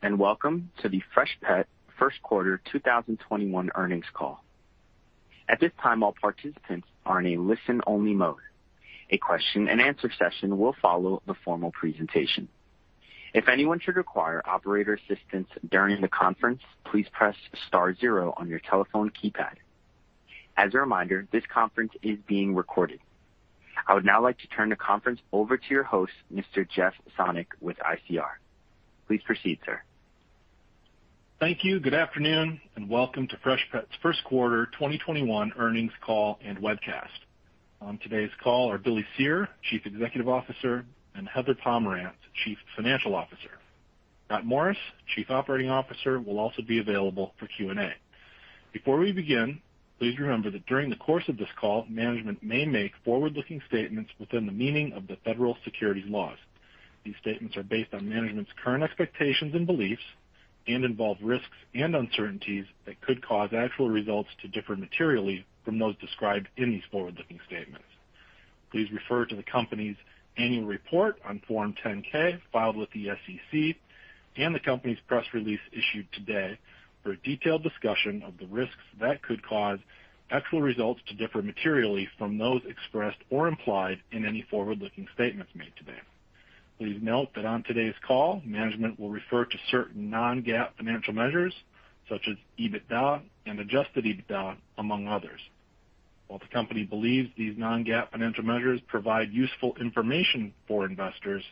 And welcome to the Freshpet First Quarter 2021 Earnings Call. At this time, all participants are in a listen-only mode. A question and answer session will follow the formal presentation. If anyone should require operator assistance during the conference, please press star zero on your telephone keypad. As a reminder, this conference is being recorded. I would now like to turn the conference over to your host, Mr. Jeff Sonnek with ICR. Please proceed, sir. Thank you. Good afternoon, welcome to Freshpet's First Quarter 2021 Earnings Call and Webcast. On today's call are Billy Cyr, Chief Executive Officer, and Heather Pomerantz, Chief Financial Officer. Scott Morris, Chief Operating Officer, will also be available for Q&A. Before we begin, please remember that during the course of this call, management may make forward-looking statements within the meaning of the federal securities laws. These statements are based on management's current expectations and beliefs and involve risks and uncertainties that could cause actual results to differ materially from those described in these forward-looking statements. Please refer to the company's annual report on Form 10-K filed with the SEC and the company's press release issued today for a detailed discussion of the risks that could cause actual results to differ materially from those expressed or implied in any forward-looking statements made today. Please note that on today's call, management will refer to certain non-GAAP financial measures such as EBITDA and adjusted EBITDA, among others. While the company believes these non-GAAP financial measures provide useful information for investors,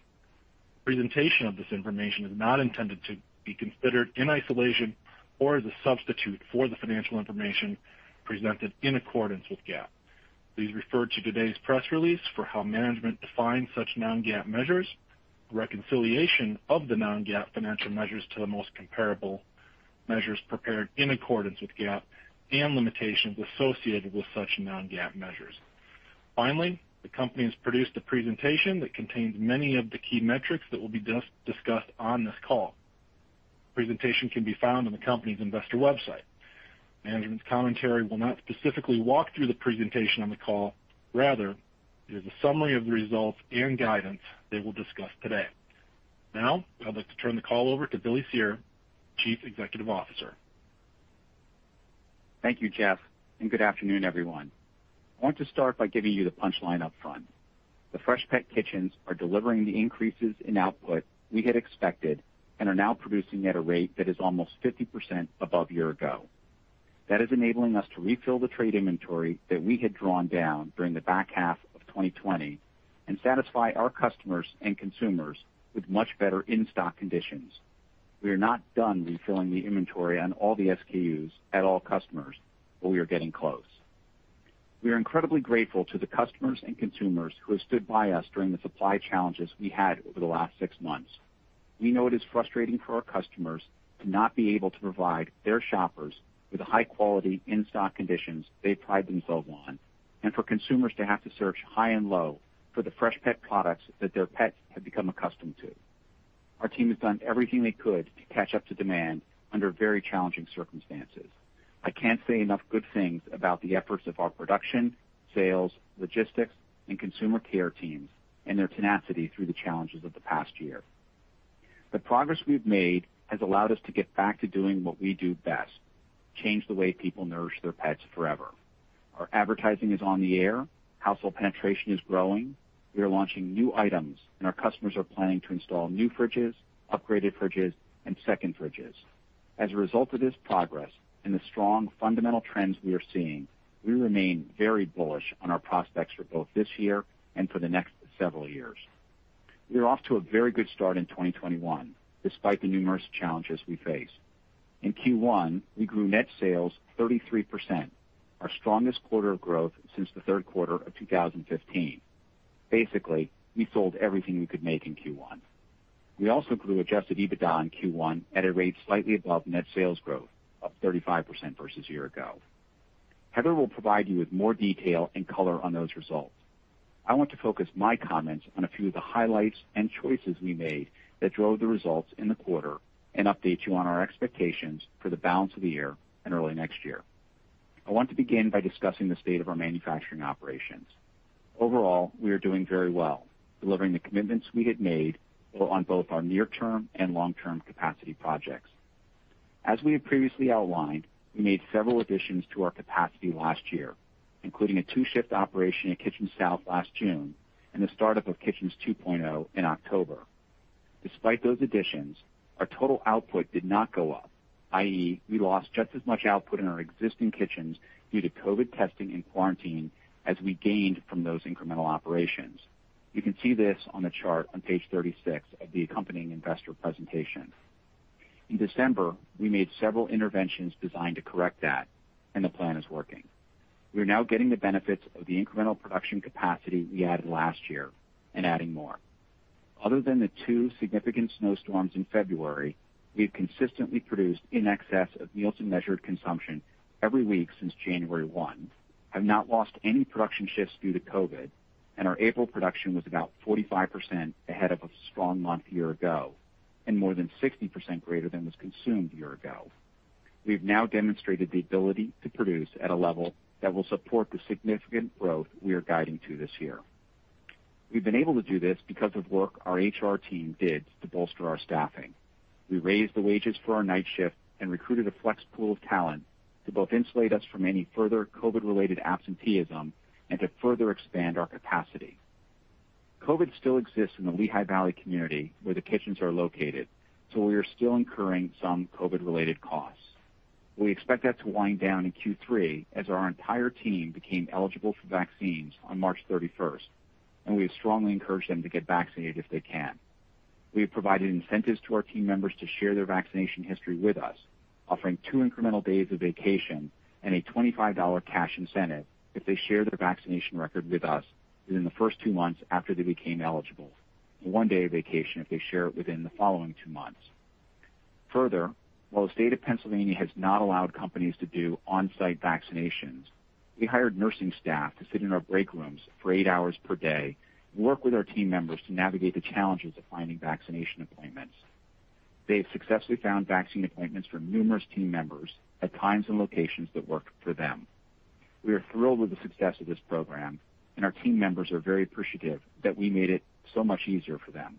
presentation of this information is not intended to be considered in isolation or as a substitute for the financial information presented in accordance with GAAP. Please refer to today's press release for how management defines such non-GAAP measures, reconciliation of the non-GAAP financial measures to the most comparable measures prepared in accordance with GAAP, and limitations associated with such non-GAAP measures. Finally, the company has produced a presentation that contains many of the key metrics that will be discussed on this call. Presentation can be found on the company's investor website. Management's commentary will not specifically walk through the presentation on the call. Rather, it is a summary of the results and guidance they will discuss today. Now, I'd like to turn the call over to Billy Cyr, Chief Executive Officer. Thank you, Jeff, and good afternoon, everyone. I want to start by giving you the punchline up front. The Freshpet kitchens are delivering the increases in output we had expected and are now producing at a rate that is almost 50% above year ago. That is enabling us to refill the trade inventory that we had drawn down during the back half of 2020 and satisfy our customers and consumers with much better in-stock conditions. We are not done refilling the inventory on all the SKUs at all customers, but we are getting close. We are incredibly grateful to the customers and consumers who have stood by us during the supply challenges we had over the last six months. We know it is frustrating for our customers to not be able to provide their shoppers with the high quality in-stock conditions they pride themselves on, and for consumers to have to search high and low for the Freshpet products that their pets have become accustomed to. Our team has done everything they could to catch up to demand under very challenging circumstances. I can't say enough good things about the efforts of our production, sales, logistics, and consumer care teams and their tenacity through the challenges of the past year. The progress we've made has allowed us to get back to doing what we do best, change the way people nourish their pets forever. Our advertising is on the air. Household penetration is growing. We are launching new items, and our customers are planning to install new fridges, upgraded fridges, and second fridges. As a result of this progress and the strong fundamental trends we are seeing, we remain very bullish on our prospects for both this year and for the next several years. We are off to a very good start in 2021, despite the numerous challenges we face. In Q1, we grew net sales 33%, our strongest quarter of growth since the third quarter of 2015. Basically, we sold everything we could make in Q1. We also grew adjusted EBITDA in Q1 at a rate slightly above net sales growth of 35% versus year ago. Heather will provide you with more detail and color on those results. I want to focus my comments on a few of the highlights and choices we made that drove the results in the quarter and update you on our expectations for the balance of the year and early next year. I want to begin by discussing the state of our manufacturing operations. Overall, we are doing very well, delivering the commitments we had made on both our near-term and long-term capacity projects. As we had previously outlined, we made several additions to our capacity last year, including a two-shift operation at Kitchens South last June and the startup of Kitchens 2.0 in October. Despite those additions, our total output did not go up, i.e., we lost just as much output in our existing kitchens due to COVID testing and quarantine as we gained from those incremental operations. You can see this on the chart on page 36 of the accompanying investor presentation. In December, we made several interventions designed to correct that, and the plan is working. We are now getting the benefits of the incremental production capacity we added last year and adding more. Other than the two significant snowstorms in February, we've consistently produced in excess of Nielsen-measured consumption every week since January 1, have not lost any production shifts due to COVID, and our April production was about 45% ahead of a strong month a year ago and more than 60% greater than was consumed a year ago. We've now demonstrated the ability to produce at a level that will support the significant growth we are guiding to this year. We've been able to do this because of work our HR team did to bolster our staffing. We raised the wages for our night shift and recruited a flex pool of talent to both insulate us from any further COVID-related absenteeism and to further expand our capacity. COVID still exists in the Lehigh Valley community, where the kitchens are located, so we are still incurring some COVID-related costs. We expect that to wind down in Q3, as our entire team became eligible for vaccines on March 31st, and we have strongly encouraged them to get vaccinated if they can. We have provided incentives to our team members to share their vaccination history with us, offering two incremental days of vacation and a $25 cash incentive if they share their vaccination record with us within the first two months after they became eligible, and one day of vacation if they share it within the following two months. Further, while the state of Pennsylvania has not allowed companies to do on-site vaccinations, we hired nursing staff to sit in our break rooms for eight hours per day, work with our team members to navigate the challenges of finding vaccination appointments. They've successfully found vaccine appointments for numerous team members at times and locations that work for them. We are thrilled with the success of this program, and our team members are very appreciative that we made it so much easier for them.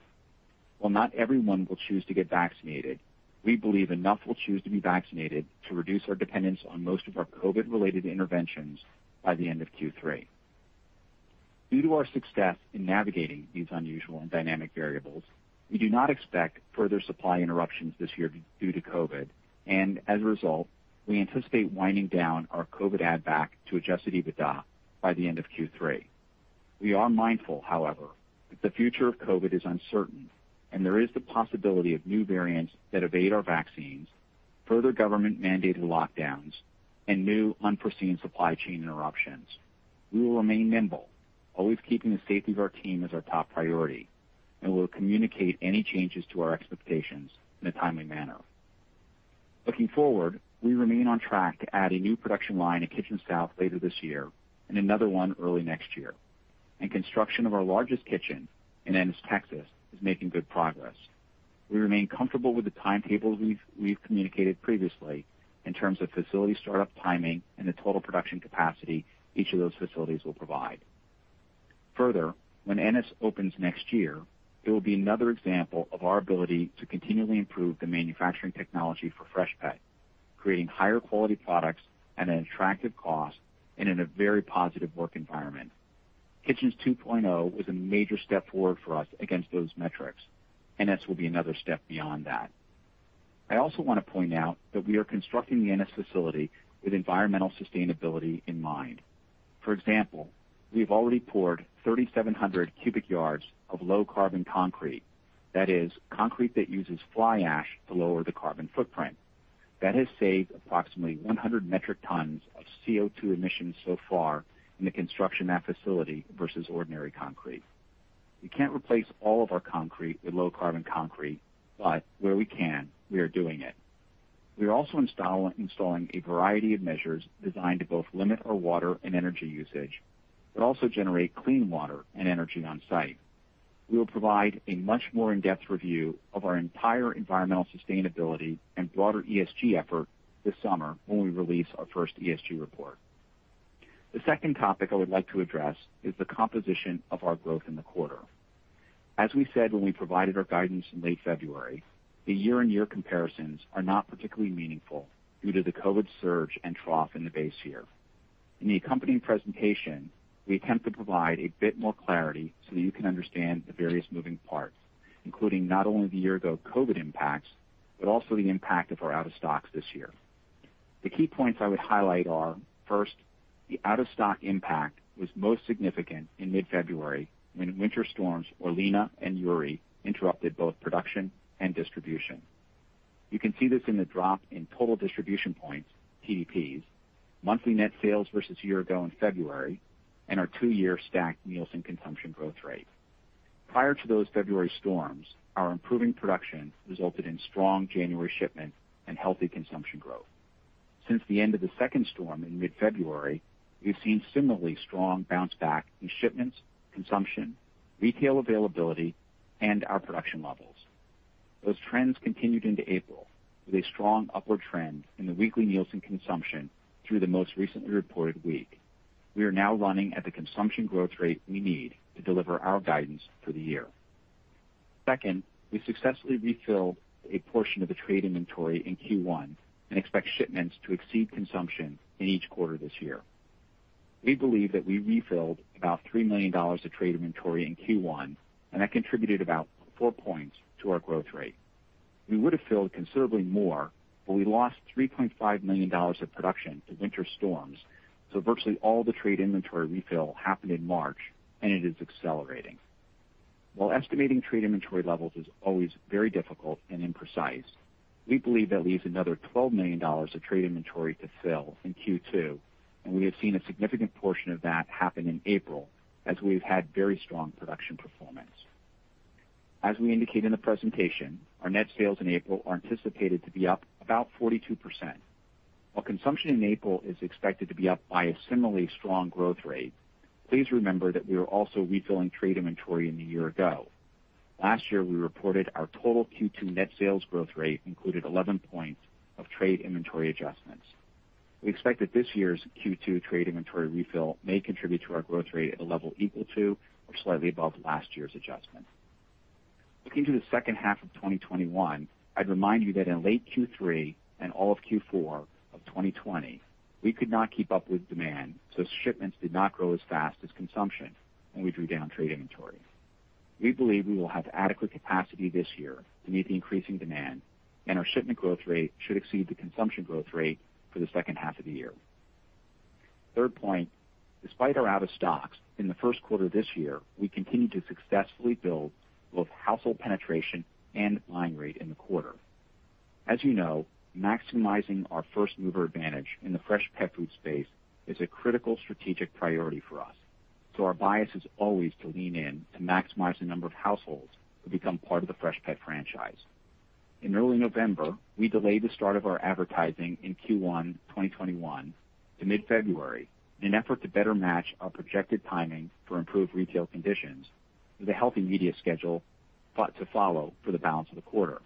While not everyone will choose to get vaccinated, we believe enough will choose to be vaccinated to reduce our dependence on most of our COVID-related interventions by the end of Q3. Due to our success in navigating these unusual and dynamic variables, we do not expect further supply interruptions this year due to COVID, and as a result, we anticipate winding down our COVID add back to adjusted EBITDA by the end of Q3. We are mindful, however, that the future of COVID is uncertain, and there is the possibility of new variants that evade our vaccines, further government-mandated lockdowns, and new unforeseen supply chain interruptions. We will remain nimble, always keeping the safety of our team as our top priority. We'll communicate any changes to our expectations in a timely manner. Looking forward, we remain on track to add a new production line at Kitchen South later this year and another one early next year. Construction of our largest kitchen in Ennis, Texas, is making good progress. We remain comfortable with the timetables we've communicated previously in terms of facility startup timing and the total production capacity each of those facilities will provide. Further, when Ennis opens next year, it will be another example of our ability to continually improve the manufacturing technology for Freshpet, creating higher quality products at an attractive cost and in a very positive work environment. Kitchens 2.0 was a major step forward for us against those metrics. Ennis will be another step beyond that. I also want to point out that we are constructing the Ennis facility with environmental sustainability in mind. We've already poured 3,700 cubic yards of low carbon concrete. That is concrete that uses fly ash to lower the carbon footprint. That has saved approximately 100 metric tons of CO2 emissions so far in the construction of that facility versus ordinary concrete. We can't replace all of our concrete with low carbon concrete, but where we can, we are doing it. We are also installing a variety of measures designed to both limit our water and energy usage, but also generate clean water and energy on-site. We will provide a much more in-depth review of our entire environmental sustainability and broader ESG effort this summer when we release our first ESG report. The second topic I would like to address is the composition of our growth in the quarter. As we said when we provided our guidance in late February, the year-on-year comparisons are not particularly meaningful due to the COVID surge and trough in the base year. In the accompanying presentation, we attempt to provide a bit more clarity so that you can understand the various moving parts, including not only the year-ago COVID impacts, but also the impact of our out of stocks this year. The key points I would highlight are, first, the out of stock impact was most significant in mid-February when winter storms Orlena and Uri interrupted both production and distribution. You can see this in the drop in Total Distribution Points, TDPs, monthly net sales versus year-ago in February, and our two-year stacked meals and consumption growth rate. Prior to those February storms, our improving production resulted in strong January shipments and healthy consumption growth. Since the end of the second storm in mid-February, we've seen similarly strong bounce back in shipments, consumption, retail availability, and our production levels. Those trends continued into April with a strong upward trend in the weekly Nielsen consumption through the most recently reported week. We are now running at the consumption growth rate we need to deliver our guidance for the year. Second, we successfully refilled a portion of the trade inventory in Q1 and expect shipments to exceed consumption in each quarter this year. We believe that we refilled about $3 million of trade inventory in Q1, and that contributed about four points to our growth rate. We would have filled considerably more, but we lost $3.5 million of production to winter storms, so virtually all the trade inventory refill happened in March, and it is accelerating. While estimating trade inventory levels is always very difficult and imprecise, we believe that leaves another $12 million of trade inventory to fill in Q2, and we have seen a significant portion of that happen in April, as we've had very strong production performance. As we indicate in the presentation, our net sales in April are anticipated to be up about 42%. While consumption in April is expected to be up by a similarly strong growth rate, please remember that we are also refilling trade inventory in the year ago. Last year, we reported our total Q2 net sales growth rate included 11 points of trade inventory adjustments. We expect that this year's Q2 trade inventory refill may contribute to our growth rate at a level equal to or slightly above last year's adjustment. Looking to the second half of 2021, I'd remind you that in late Q3 and all of Q4 of 2020, we could not keep up with demand, so shipments did not grow as fast as consumption, and we drew down trade inventory. We believe we will have adequate capacity this year to meet the increasing demand, and our shipment growth rate should exceed the consumption growth rate for the second half of the year. Third point, despite our out of stocks in the first quarter of this year, we continued to successfully build both household penetration and line rate in the quarter. As you know, maximizing our first-mover advantage in the Freshpet food space is a critical strategic priority for us. Our bias is always to lean in to maximize the number of households who become part of the Freshpet franchise. In early November, we delayed the start of our advertising in Q1 2021 to mid-February in an effort to better match our projected timing for improved retail conditions with a healthy media schedule to follow for the balance of the quarter.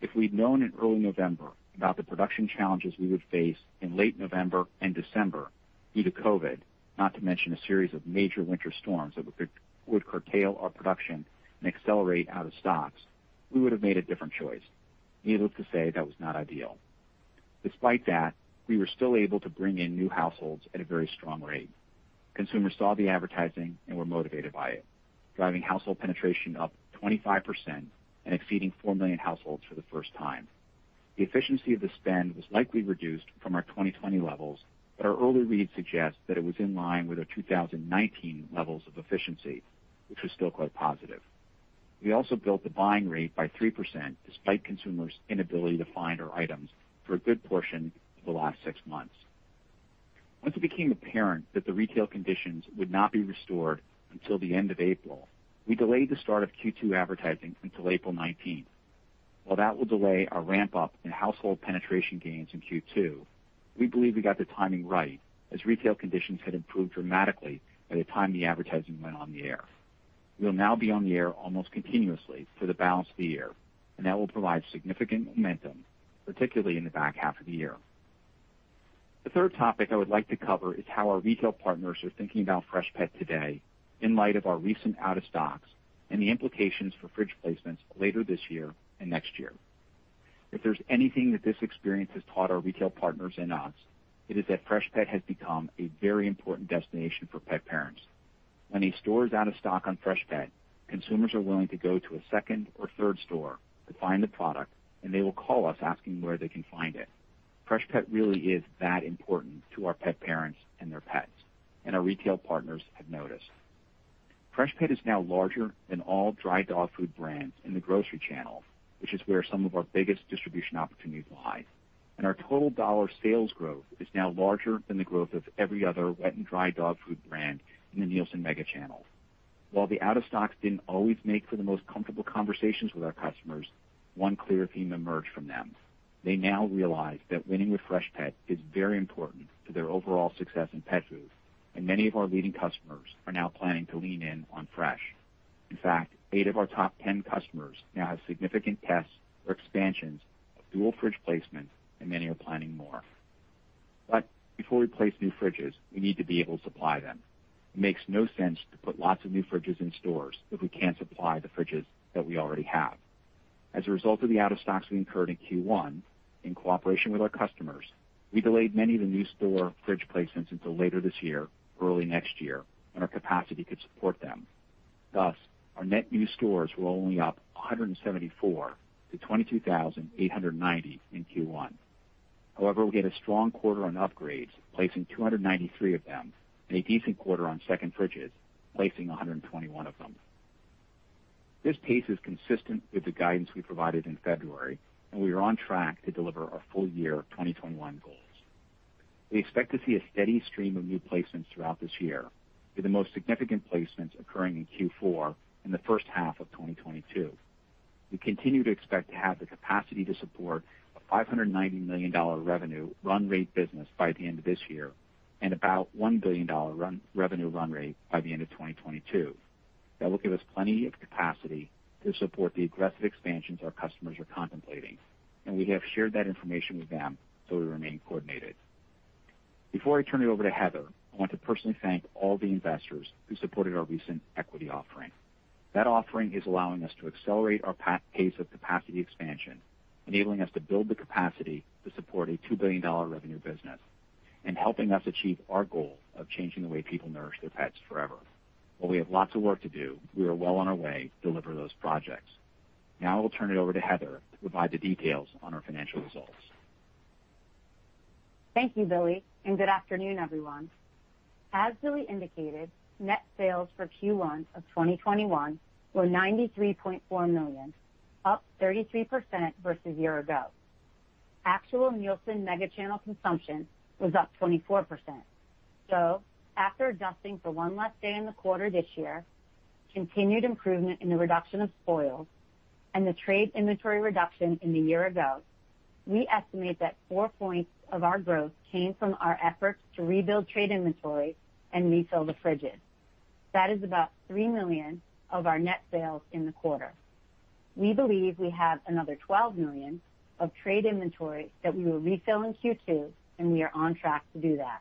If we'd known in early November about the production challenges we would face in late November and December due to COVID, not to mention a series of major winter storms that would curtail our production and accelerate out of stocks, we would have made a different choice. Needless to say, that was not ideal. Despite that, we were still able to bring in new households at a very strong rate. Consumers saw the advertising and were motivated by it, driving household penetration up 25% and exceeding 4 million households for the first time. The efficiency of the spend was likely reduced from our 2020 levels, but our early read suggests that it was in line with our 2019 levels of efficiency, which was still quite positive. We also built the buying rate by 3%, despite consumers' inability to find our items for a good portion of the last six months. Once it became apparent that the retail conditions would not be restored until the end of April, we delayed the start of Q2 advertising until April 19th. While that will delay our ramp-up in household penetration gains in Q2, we believe we got the timing right, as retail conditions had improved dramatically by the time the advertising went on the air. We'll now be on the air almost continuously for the balance of the year, and that will provide significant momentum, particularly in the back half of the year. The third topic I would like to cover is how our retail partners are thinking about Freshpet today in light of our recent out of stocks and the implications for fridge placements later this year and next year. If there's anything that this experience has taught our retail partners and us, it is that Freshpet has become a very important destination for pet parents. When a store is out of stock on Freshpet, consumers are willing to go to a second or third store to find the product, and they will call us asking where they can find it. Freshpet really is that important to our pet parents and their pets, and our retail partners have noticed. Freshpet is now larger than all dry dog food brands in the grocery channel, which is where some of our biggest distribution opportunities lie. Our total dollar sales growth is now larger than the growth of every other wet and dry dog food brand in the Nielsen Mega Channel. While the out of stocks didn't always make for the most comfortable conversations with our customers, one clear theme emerged from them. They now realize that winning with Freshpet is very important to their overall success in pet food, and many of our leading customers are now planning to lean in on fresh. In fact, eight of our top 10 customers now have significant tests or expansions of dual fridge placement, and many are planning more. Before we place new fridges, we need to be able to supply them. It makes no sense to put lots of new fridges in stores if we can't supply the fridges that we already have. As a result of the out of stocks we incurred in Q1, in cooperation with our customers, we delayed many of the new store fridge placements until later this year or early next year, when our capacity could support them. Thus, our net new stores were only up 174 to 22,890 in Q1. However, we had a strong quarter on upgrades, placing 293 of them, and a decent quarter on second fridges, placing 121 of them. This pace is consistent with the guidance we provided in February, and we are on track to deliver our full year 2021 goals. We expect to see a steady stream of new placements throughout this year, with the most significant placements occurring in Q4 and the first half of 2022. We continue to expect to have the capacity to support a $590 million revenue run rate business by the end of this year and about $1 billion revenue run rate by the end of 2022. That will give us plenty of capacity to support the aggressive expansions our customers are contemplating, and we have shared that information with them, so we remain coordinated. Before I turn it over to Heather, I want to personally thank all the investors who supported our recent equity offering. That offering is allowing us to accelerate our pace of capacity expansion, enabling us to build the capacity to support a $2 billion revenue business and helping us achieve our goal of changing the way people nourish their pets forever. While we have lots of work to do, we are well on our way to deliver those projects. Now I will turn it over to Heather to provide the details on our financial results. Thank you, Billy, and good afternoon, everyone. As Billy indicated, net sales for Q1 of 2021 were $93.4 million, up 33% versus a year ago. Actual Nielsen Mega Channel consumption was up 24%. After adjusting for one less day in the quarter this year, continued improvement in the reduction of spoils, and the trade inventory reduction in the year ago, we estimate that four points of our growth came from our efforts to rebuild trade inventory and refill the fridges. That is about $3 million of our net sales in the quarter. We believe we have another $12 million of trade inventory that we will refill in Q2, and we are on track to do that.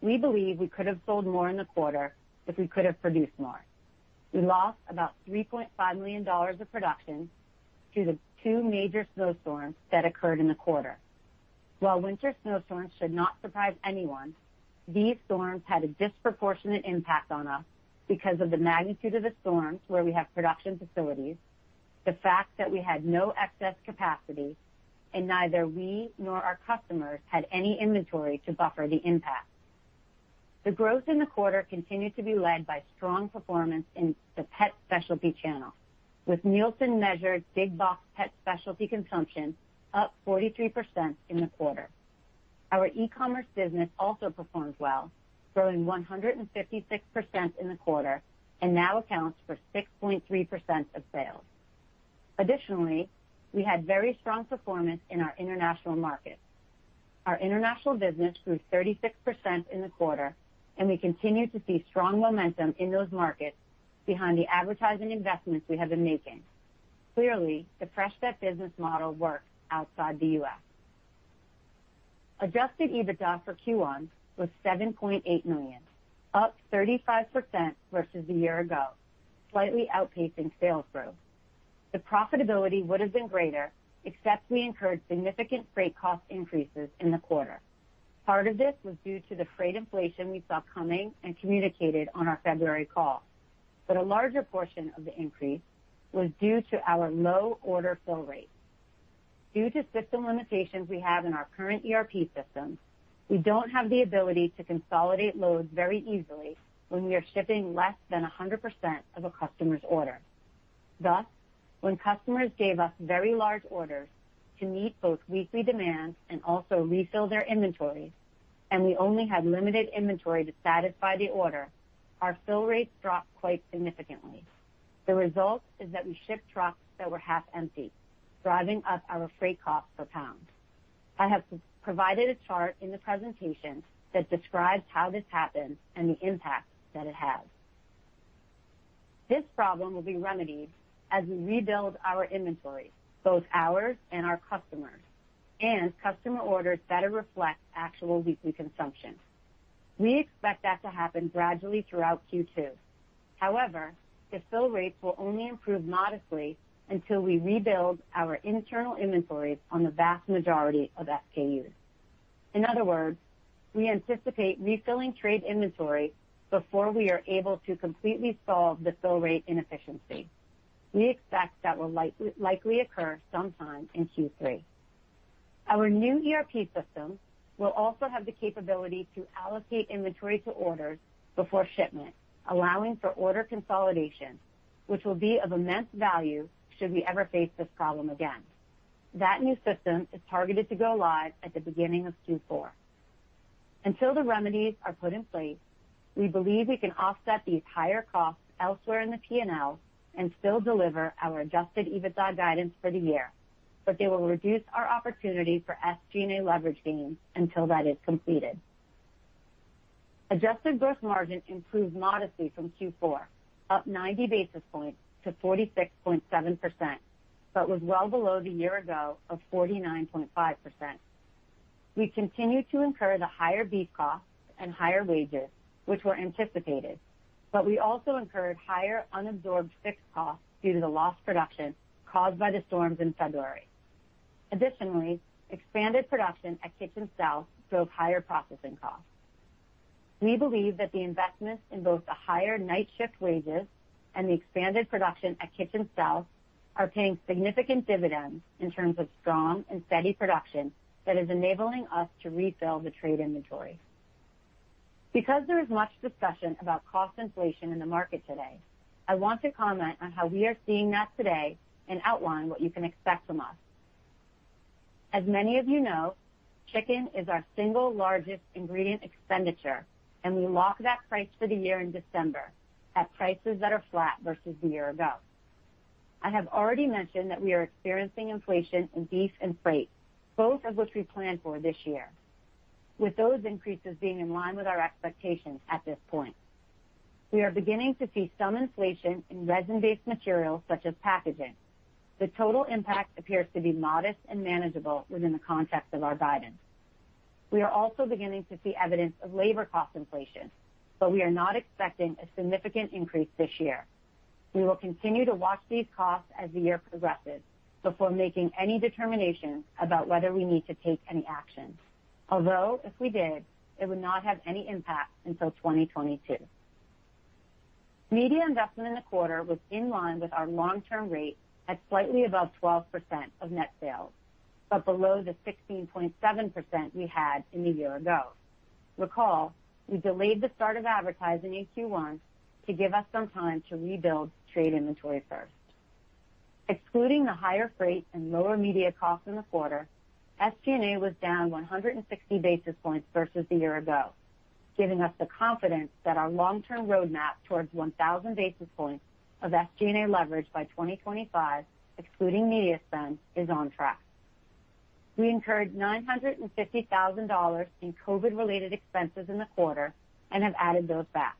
We believe we could have sold more in the quarter if we could have produced more. We lost about $3.5 million of production due to the two major snowstorms that occurred in the quarter. While winter snowstorms should not surprise anyone, these storms had a disproportionate impact on us because of the magnitude of the storms where we have production facilities, the fact that we had no excess capacity, and neither we nor our customers had any inventory to buffer the impact. The growth in the quarter continued to be led by strong performance in the pet specialty channel, with Nielsen-measured big box pet specialty consumption up 43% in the quarter. Our e-commerce business also performed well, growing 156% in the quarter, and now accounts for 6.3% of sales. Additionally, we had very strong performance in our international markets. Our international business grew 36% in the quarter, and we continue to see strong momentum in those markets behind the advertising investments we have been making. Clearly, the Freshpet business model works outside the U.S. Adjusted EBITDA for Q1 was $7.8 million, up 35% versus a year ago, slightly outpacing sales growth. The profitability would have been greater, except we incurred significant freight cost increases in the quarter. Part of this was due to the freight inflation we saw coming and communicated on our February call. A larger portion of the increase was due to our low order fill rates. Due to system limitations we have in our current ERP system, we don't have the ability to consolidate loads very easily when we are shipping less than 100% of a customer's order. When customers gave us very large orders to meet both weekly demands and also refill their inventories, and we only had limited inventory to satisfy the order, our fill rates dropped quite significantly. The result is that we shipped trucks that were half empty, driving up our freight cost per pound. I have provided a chart in the presentation that describes how this happens and the impact that it has. This problem will be remedied as we rebuild our inventory, both ours and our customers, and customer orders better reflect actual weekly consumption. We expect that to happen gradually throughout Q2. The fill rates will only improve modestly until we rebuild our internal inventories on the vast majority of SKUs. We anticipate refilling trade inventory before we are able to completely solve the fill rate inefficiency. We expect that will likely occur sometime in Q3. Our new ERP system will also have the capability to allocate inventory to orders before shipment, allowing for order consolidation, which will be of immense value should we ever face this problem again. That new system is targeted to go live at the beginning of Q4. Until the remedies are put in place, we believe we can offset these higher costs elsewhere in the P&L and still deliver our adjusted EBITDA guidance for the year, but they will reduce our opportunity for SG&A leverage gains until that is completed. Adjusted gross margin improved modestly from Q4, up 90 basis points to 46.7%, but was well below the year-ago of 49.5%. We continue to incur the higher beef costs and higher wages, which were anticipated, but we also incurred higher unabsorbed fixed costs due to the lost production caused by the storms in February. Additionally, expanded production at Kitchen South drove higher processing costs. We believe that the investments in both the higher night shift wages and the expanded production at Kitchen South are paying significant dividends in terms of strong and steady production that is enabling us to refill the trade inventory. Because there is much discussion about cost inflation in the market today, I want to comment on how we are seeing that today and outline what you can expect from us. As many of you know, chicken is our single largest ingredient expenditure, and we lock that price for the year in December at prices that are flat versus the year ago. I have already mentioned that we are experiencing inflation in beef and freight, both of which we planned for this year, with those increases being in line with our expectations at this point. We are beginning to see some inflation in resin-based materials such as packaging. The total impact appears to be modest and manageable within the context of our guidance. We are also beginning to see evidence of labor cost inflation, but we are not expecting a significant increase this year. We will continue to watch these costs as the year progresses before making any determination about whether we need to take any action. Although, if we did, it would not have any impact until 2022. Media investment in the quarter was in line with our long-term rate at slightly above 12% of net sales, but below the 16.7% we had in the year ago. Recall, we delayed the start of advertising in Q1 to give us some time to rebuild trade inventory first. Excluding the higher freight and lower media costs in the quarter, SG&A was down 160 basis points versus the year ago, giving us the confidence that our long-term roadmap towards 1,000 basis points of SG&A leverage by 2025, excluding media spend, is on track. We incurred $950,000 in COVID related expenses in the quarter and have added those back.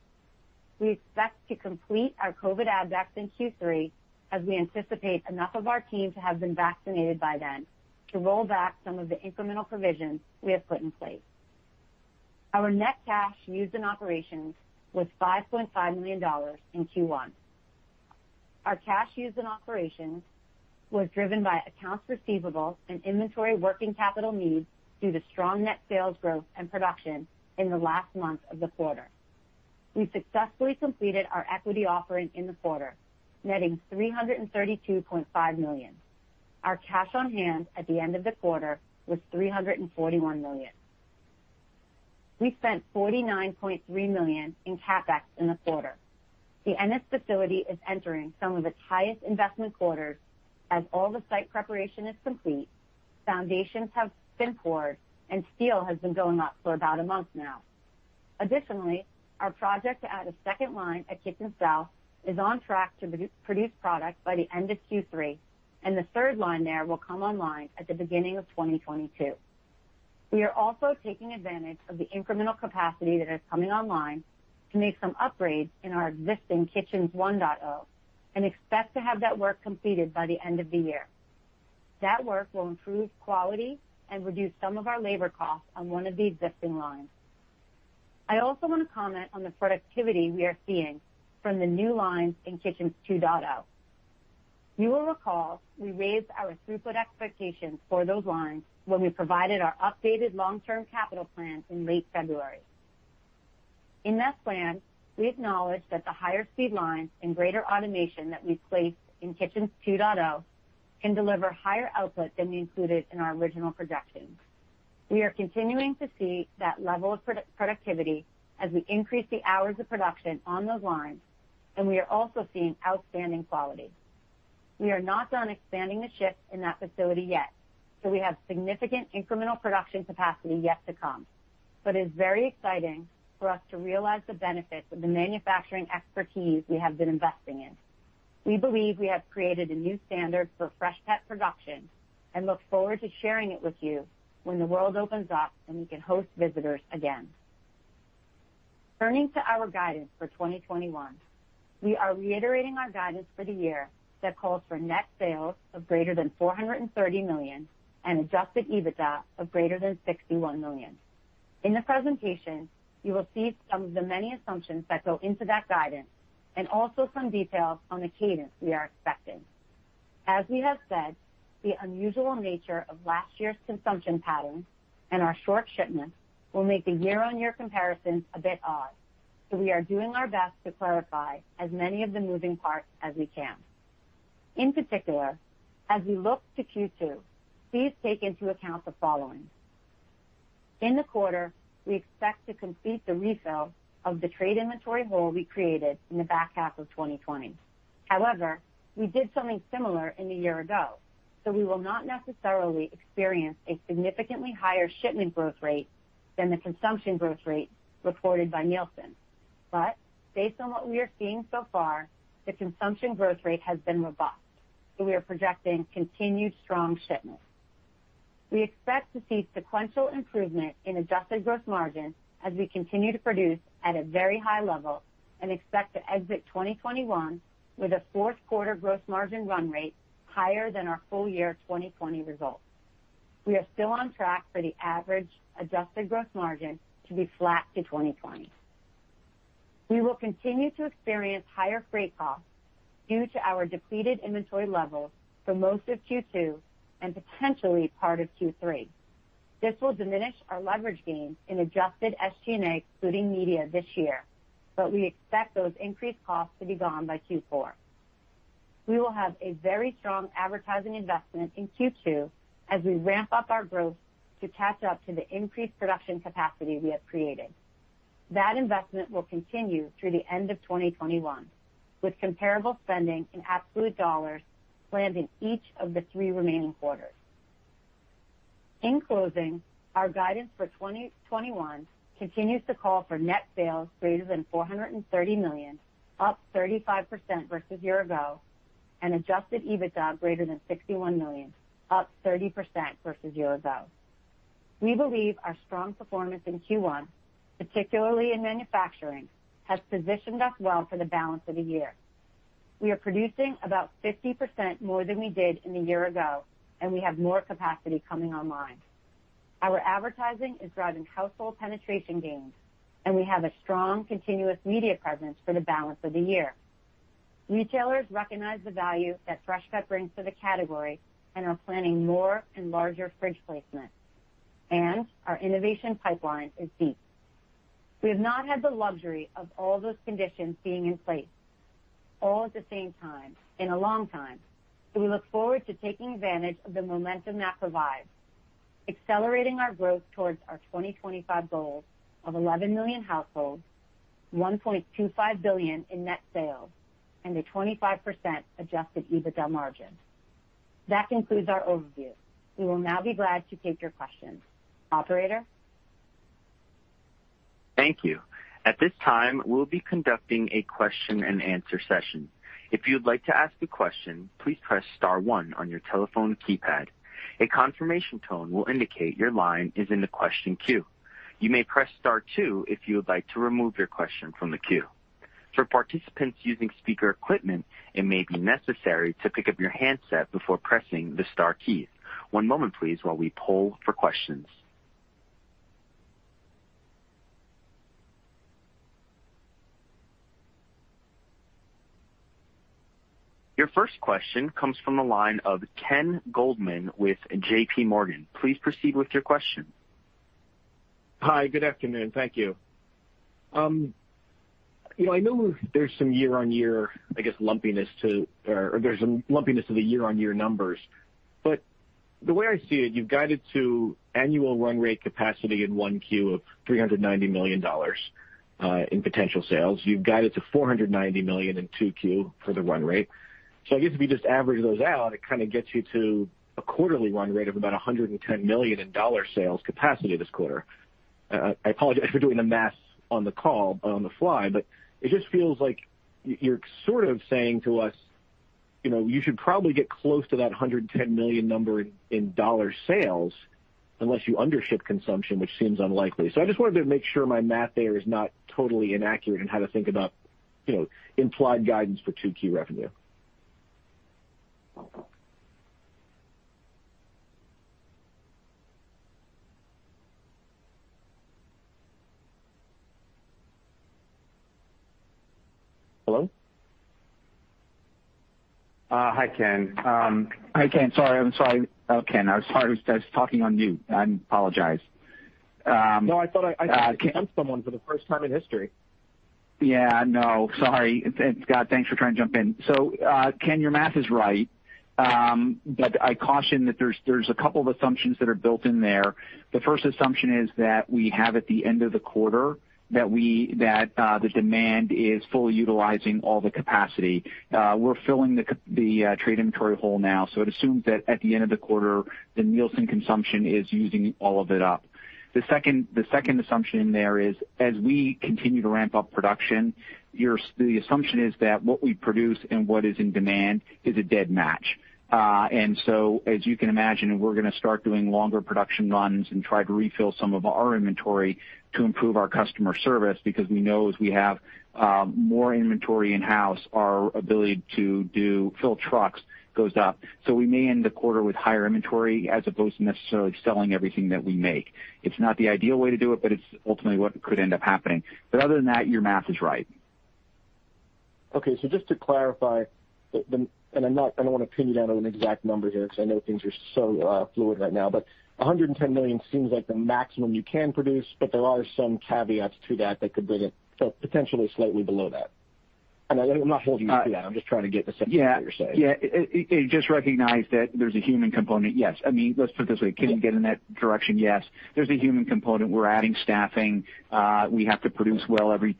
We expect to complete our COVID add back in Q3 as we anticipate enough of our team to have been vaccinated by then to roll back some of the incremental provisions we have put in place. Our net cash used in operations was $5.5 million in Q1. Our cash used in operations was driven by accounts receivable and inventory working capital needs through the strong net sales growth and production in the last month of the quarter. We successfully completed our equity offering in the quarter, netting $332.5 million. Our cash on hand at the end of the quarter was $341 million. We spent $49.3 million in CapEx in the quarter. The Ennis facility is entering some of its highest investment quarters as all the site preparation is complete, foundations have been poured, and steel has been going up for about a month now. Additionally, our project to add a second line at Kitchens South is on track to produce product by the end of Q3, and the third line there will come online at the beginning of 2022. We are also taking advantage of the incremental capacity that is coming online to make some upgrades in our existing Kitchens 1.0 and expect to have that work completed by the end of the year. That work will improve quality and reduce some of our labor costs on one of the existing lines. I also want to comment on the productivity we are seeing from the new lines in Kitchens 2.0. You will recall we raised our throughput expectations for those lines when we provided our updated long-term capital plans in late February. In that plan, we acknowledged that the higher speed lines and greater automation that we placed in Kitchens 2.0 can deliver higher output than we included in our original projections. We are continuing to see that level of productivity as we increase the hours of production on those lines, and we are also seeing outstanding quality. We are not done expanding the shift in that facility yet, so we have significant incremental production capacity yet to come. It is very exciting for us to realize the benefits of the manufacturing expertise we have been investing in. We believe we have created a new standard for Freshpet production and look forward to sharing it with you when the world opens up and we can host visitors again. Turning to our guidance for 2021, we are reiterating our guidance for the year that calls for net sales of greater than $430 million and adjusted EBITDA of greater than $61 million. In the presentation, you will see some of the many assumptions that go into that guidance and also some details on the cadence we are expecting. As we have said, the unusual nature of last year's consumption patterns and our short shipments will make the year-over-year comparison a bit odd. We are doing our best to clarify as many of the moving parts as we can. In particular, as we look to Q2, please take into account the following. In the quarter, we expect to complete the refill of the trade inventory hole we created in the back half of 2020. We did something similar in one year ago, so we will not necessarily experience a significantly higher shipment growth rate than the consumption growth rate reported by Nielsen. Based on what we are seeing so far, the consumption growth rate has been robust, so we are projecting continued strong shipments. We expect to see sequential improvement in adjusted gross margin as we continue to produce at a very high level and expect to exit 2021 with a fourth quarter gross margin run rate higher than our full year 2020 results. We are still on track for the average adjusted gross margin to be flat to 2020. We will continue to experience higher freight costs due to our depleted inventory levels for most of Q2 and potentially part of Q3. This will diminish our leverage gains in adjusted SG&A, excluding media this year, but we expect those increased costs to be gone by Q4. We will have a very strong advertising investment in Q2 as we ramp up our growth to catch up to the increased production capacity we have created. That investment will continue through the end of 2021, with comparable spending in absolute dollars planned in each of the three remaining quarters. In closing, our guidance for 2021 continues to call for net sales greater than $430 million, up 35% versus year-ago, and adjusted EBITDA greater than $61 million, up 30% versus year-ago. We believe our strong performance in Q1, particularly in manufacturing, has positioned us well for the balance of the year. We are producing about 50% more than we did in a year-ago, and we have more capacity coming online. Our advertising is driving household penetration gains, and we have a strong, continuous media presence for the balance of the year. Retailers recognize the value that Freshpet brings to the category and are planning more and larger fridge placements, and our innovation pipeline is deep. We have not had the luxury of all those conditions being in place all at the same time in a long time, so we look forward to taking advantage of the momentum that provides, accelerating our growth towards our 2025 goals of 11 million households, $1.25 billion in net sales, and a 25% adjusted EBITDA margin. That concludes our overview. We will now be glad to take your questions. Operator? Thank you. At this time, we'll be conducting a question and answer session. If you'd like to ask a question, please press star one on your telephone keypad. A confirmation tone will indicate your line is in the question queue. You may press star two if you would like to remove your question from the queue. For participants using speaker equipment, it may be necessary to pick up your handset before pressing the star key. One moment please, while we poll for questions. Your first question comes from the line of Ken Goldman with JPMorgan. Please proceed with your question. Hi. Good afternoon. Thank you. I know there's some year-on-year, I guess, lumpiness to, or there's a lumpiness of the year-on-year numbers. The way I see it, you've guided to annual run rate capacity in 1Q of $390 million in potential sales. You've guided to $490 million in 2Q for the run rate. I guess if you just average those out, it kind of gets you to a quarterly run rate of about $110 million in dollar sales capacity this quarter. I apologize for doing the math on the call, on the fly, but it just feels like you're sort of saying to us, you should probably get close to that $110 million number in dollar sales unless you undership consumption, which seems unlikely. I just wanted to make sure my math there is not totally inaccurate on how to think about implied guidance for 2Q revenue. Hello? Hi, Ken. Hi, Ken. Sorry. I'm sorry. Oh, Ken. I was talking on mute. I apologize. No, I thought I jumped someone for the first time in history. Yeah. No. Sorry. It's Scott. Thanks for trying to jump in. Ken, your math is right. I caution that there's a couple of assumptions that are built in there. The first assumption is that we have at the end of the quarter, that the demand is fully utilizing all the capacity. We're filling the trade inventory hole now, it assumes that at the end of the quarter, the Nielsen consumption is using all of it up. The second assumption in there is, as we continue to ramp up production, the assumption is that what we produce and what is in demand is a dead match. As you can imagine, we're going to start doing longer production runs and try to refill some of our inventory to improve our customer service because we know as we have more inventory in-house, our ability to fill trucks goes up. We may end the quarter with higher inventory as opposed to necessarily selling everything that we make. It's not the ideal way to do it, but it's ultimately what could end up happening. Other than that, your math is right. Okay. Just to clarify, and I don't want to pin you down on an exact number here because I know things are so fluid right now, but $110 million seems like the maximum you can produce, but there are some caveats to that that could bring it potentially slightly below that. I'm not holding you to that. I'm just trying to get the sense of what you're saying. Yeah. Just recognize that there's a human component. Yes. I mean, let's put it this way. Can you get in that direction? Yes. There's a human component. We're adding staffing. We have to produce well every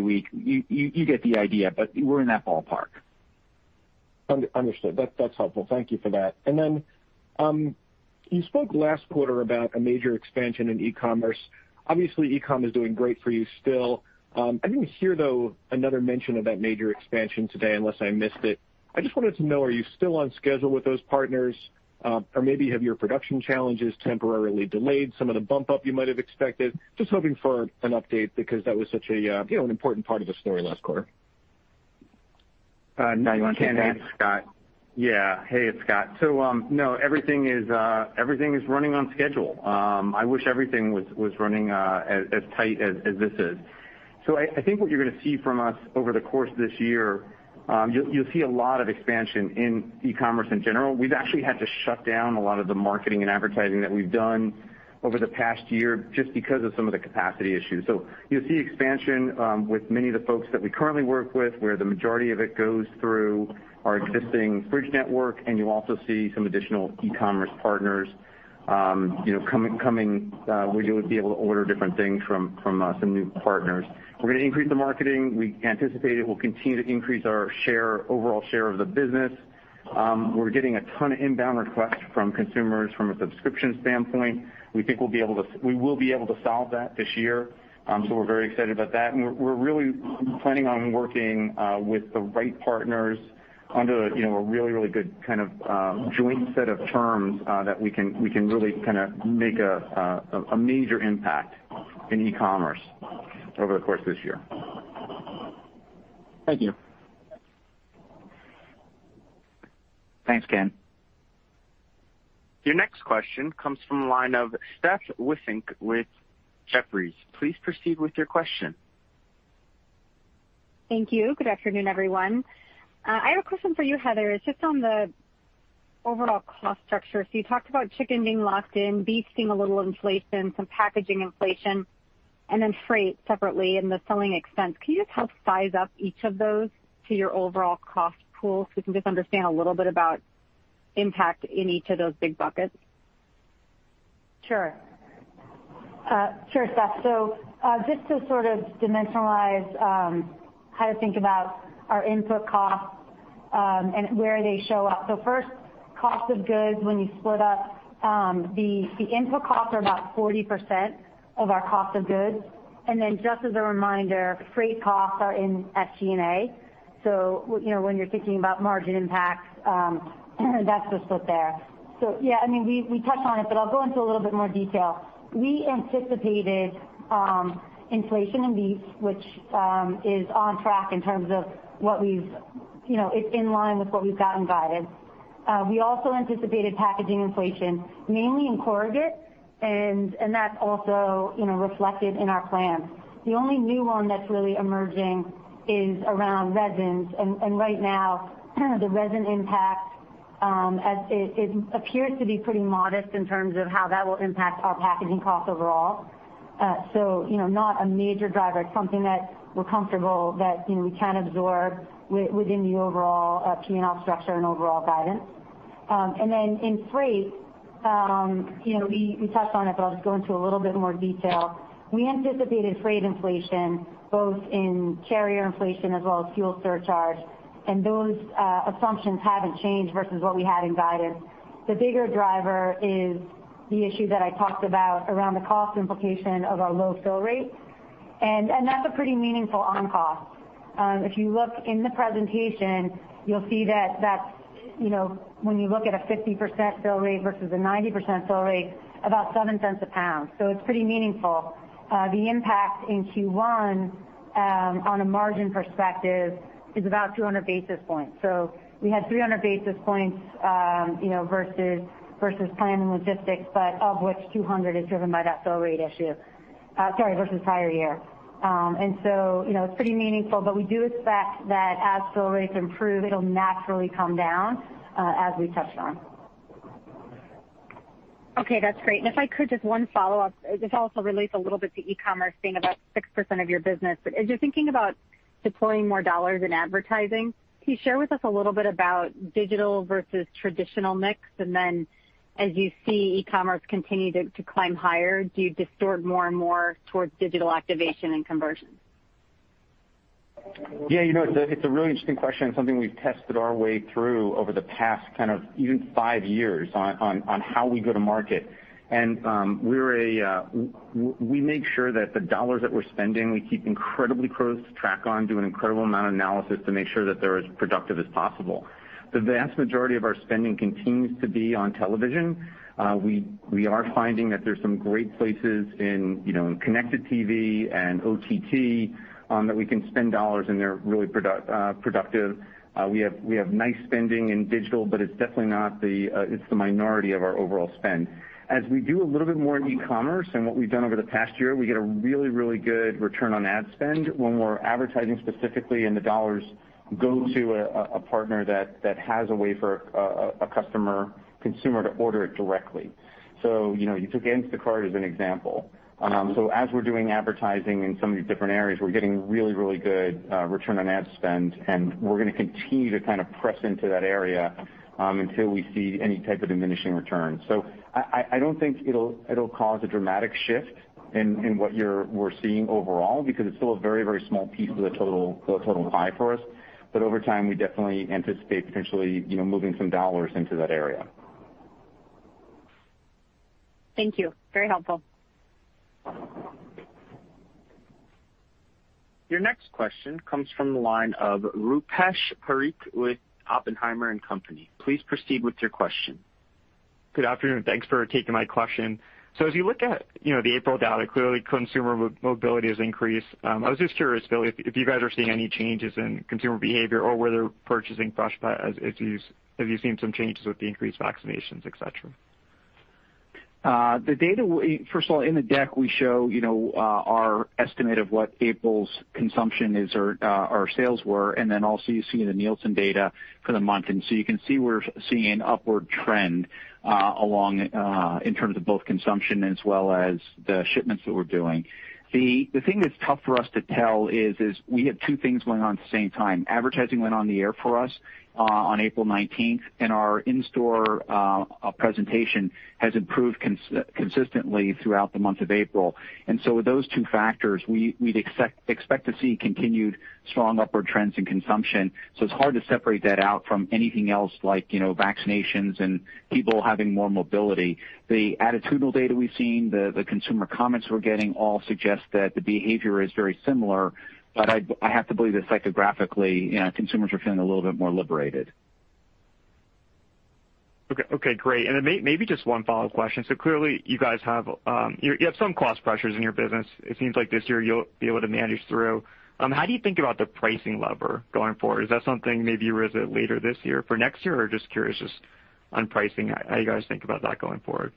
week. You get the idea, but we're in that ballpark. Understood. That's helpful. Thank you for that. Then, you spoke last quarter about a major expansion in e-commerce. Obviously, e-com is doing great for you still. I didn't hear, though, another mention of that major expansion today unless I missed it. I just wanted to know, are you still on schedule with those partners? Or maybe have your production challenges temporarily delayed some of the bump up you might have expected? Just hoping for an update because that was such an important part of the story last quarter. Scott, you want to take that? Yeah. Hey, it's Scott. No, everything is running on schedule. I wish everything was running as tight as this is. I think what you're gonna see from us over the course of this year, you'll see a lot of expansion in e-commerce in general. We've actually had to shut down a lot of the marketing and advertising that we've done over the past year just because of some of the capacity issues. You'll see expansion with many of the folks that we currently work with, where the majority of it goes through our existing fridge network, and you'll also see some additional e-commerce partners coming. We will be able to order different things from some new partners. We're gonna increase the marketing. We anticipate it will continue to increase our overall share of the business. We're getting a ton of inbound requests from consumers from a subscription standpoint. We think we will be able to solve that this year. We're very excited about that, and we're really planning on working with the right partners under a really good kind of joint set of terms that we can really make a major impact in e-commerce over the course of this year. Thank you. Thanks, Ken. Your next question comes from the line of Steph Wissink with Jefferies. Please proceed with your question. Thank you. Good afternoon, everyone. I have a question for you, Heather. It's just on the overall cost structure. You talked about chicken being locked in, beef seeing a little inflation, some packaging inflation, and then freight separately and the filling expense. Can you just help size up each of those to your overall cost pool so we can just understand a little bit about impact in each of those big buckets? Sure. Sure, Steph. Just to sort of dimensionalize how to think about our input costs and where they show up. First, COGS, when you split up the input costs are about 40% of our COGS. Just as a reminder, freight costs are in SG&A. When you're thinking about margin impact, that is the split there. We touched on it, but I will go into a little bit more detail. We anticipated inflation in beef, which is on track in terms of it is in line with what we've got in guided. We also anticipated packaging inflation, mainly in corrugate, and that is also reflected in our plans. The only new one that is really emerging is around resins. Right now, the resin impact, it appears to be pretty modest in terms of how that will impact our packaging cost overall. Not a major driver. It's something that we're comfortable that we can absorb within the overall P&L structure and overall guidance. In freight, we touched on it, but I'll just go into a little bit more detail. We anticipated freight inflation both in carrier inflation as well as fuel surcharge, and those assumptions haven't changed versus what we had in guidance. The bigger driver is the issue that I talked about around the cost implication of our low fill rate. That's a pretty meaningful on-cost. If you look in the presentation, you'll see that when you look at a 50% fill rate versus a 90% fill rate, about $0.07 a pound. It's pretty meaningful. The impact in Q1 on a margin perspective is about 200 basis points. We had 300 basis points versus plan in logistics, but of which 200 is driven by that fill rate issue, sorry, versus prior year. It's pretty meaningful, but we do expect that as fill rates improve, it'll naturally come down, as we touched on. Okay, that's great. If I could, just one follow-up. This also relates a little bit to e-commerce being about 6% of your business, but as you're thinking about deploying more dollars in advertising, can you share with us a little bit about digital versus traditional mix? As you see e-commerce continue to climb higher, do you distort more and more towards digital activation and conversion? Yeah, it's a really interesting question and something we've tested our way through over the past kind of even five years on how we go to market. We make sure that the dollars that we're spending, we keep incredibly close track on, do an incredible amount of analysis to make sure that they're as productive as possible. The vast majority of our spending continues to be on television. We are finding that there's some great places in connected TV and OTT that we can spend dollars, and they're really productive. We have nice spending in digital, but it's the minority of our overall spend. As we do a little bit more in e-commerce and what we've done over the past year, we get a really good return on ad spend when we're advertising specifically and the dollars go to a partner that has a way for a consumer to order it directly. You took Instacart as an example. As we're doing advertising in some of these different areas, we're getting really good return on ad spend. We're gonna continue to kind of press into that area until we see any type of diminishing return. I don't think it'll cause a dramatic shift in what we're seeing overall because it's still a very small piece of the total pie for us. Over time, we definitely anticipate potentially moving some dollars into that area. Thank you. Very helpful. Your next question comes from the line of Rupesh Parikh with Oppenheimer & Co. Please proceed with your question. Good afternoon. Thanks for taking my question. As you look at the April data, clearly consumer mobility has increased. I was just curious, Bill, if you guys are seeing any changes in consumer behavior or whether purchasing Freshpet have you seen some changes with the increased vaccinations, et cetera? First of all, in the deck, we show our estimate of what April's consumption is or our sales were. Also you see the Nielsen data for the month. You can see we're seeing an upward trend in terms of both consumption as well as the shipments that we're doing. The thing that's tough for us to tell is we have two things going on at the same time. Advertising went on the air for us on April 19th, and our in-store presentation has improved consistently throughout the month of April. With those two factors, we'd expect to see continued strong upward trends in consumption. It's hard to separate that out from anything else like vaccinations and people having more mobility. The attitudinal data we've seen, the consumer comments we're getting all suggest that the behavior is very similar. I have to believe that psychographically, consumers are feeling a little bit more liberated. Okay, great. Maybe just one follow-up question. Clearly you have some cost pressures in your business. It seems like this year you'll be able to manage through. How do you think about the pricing lever going forward? Is that something maybe you revisit later this year for next year, or just curious just on pricing, how you guys think about that going forward?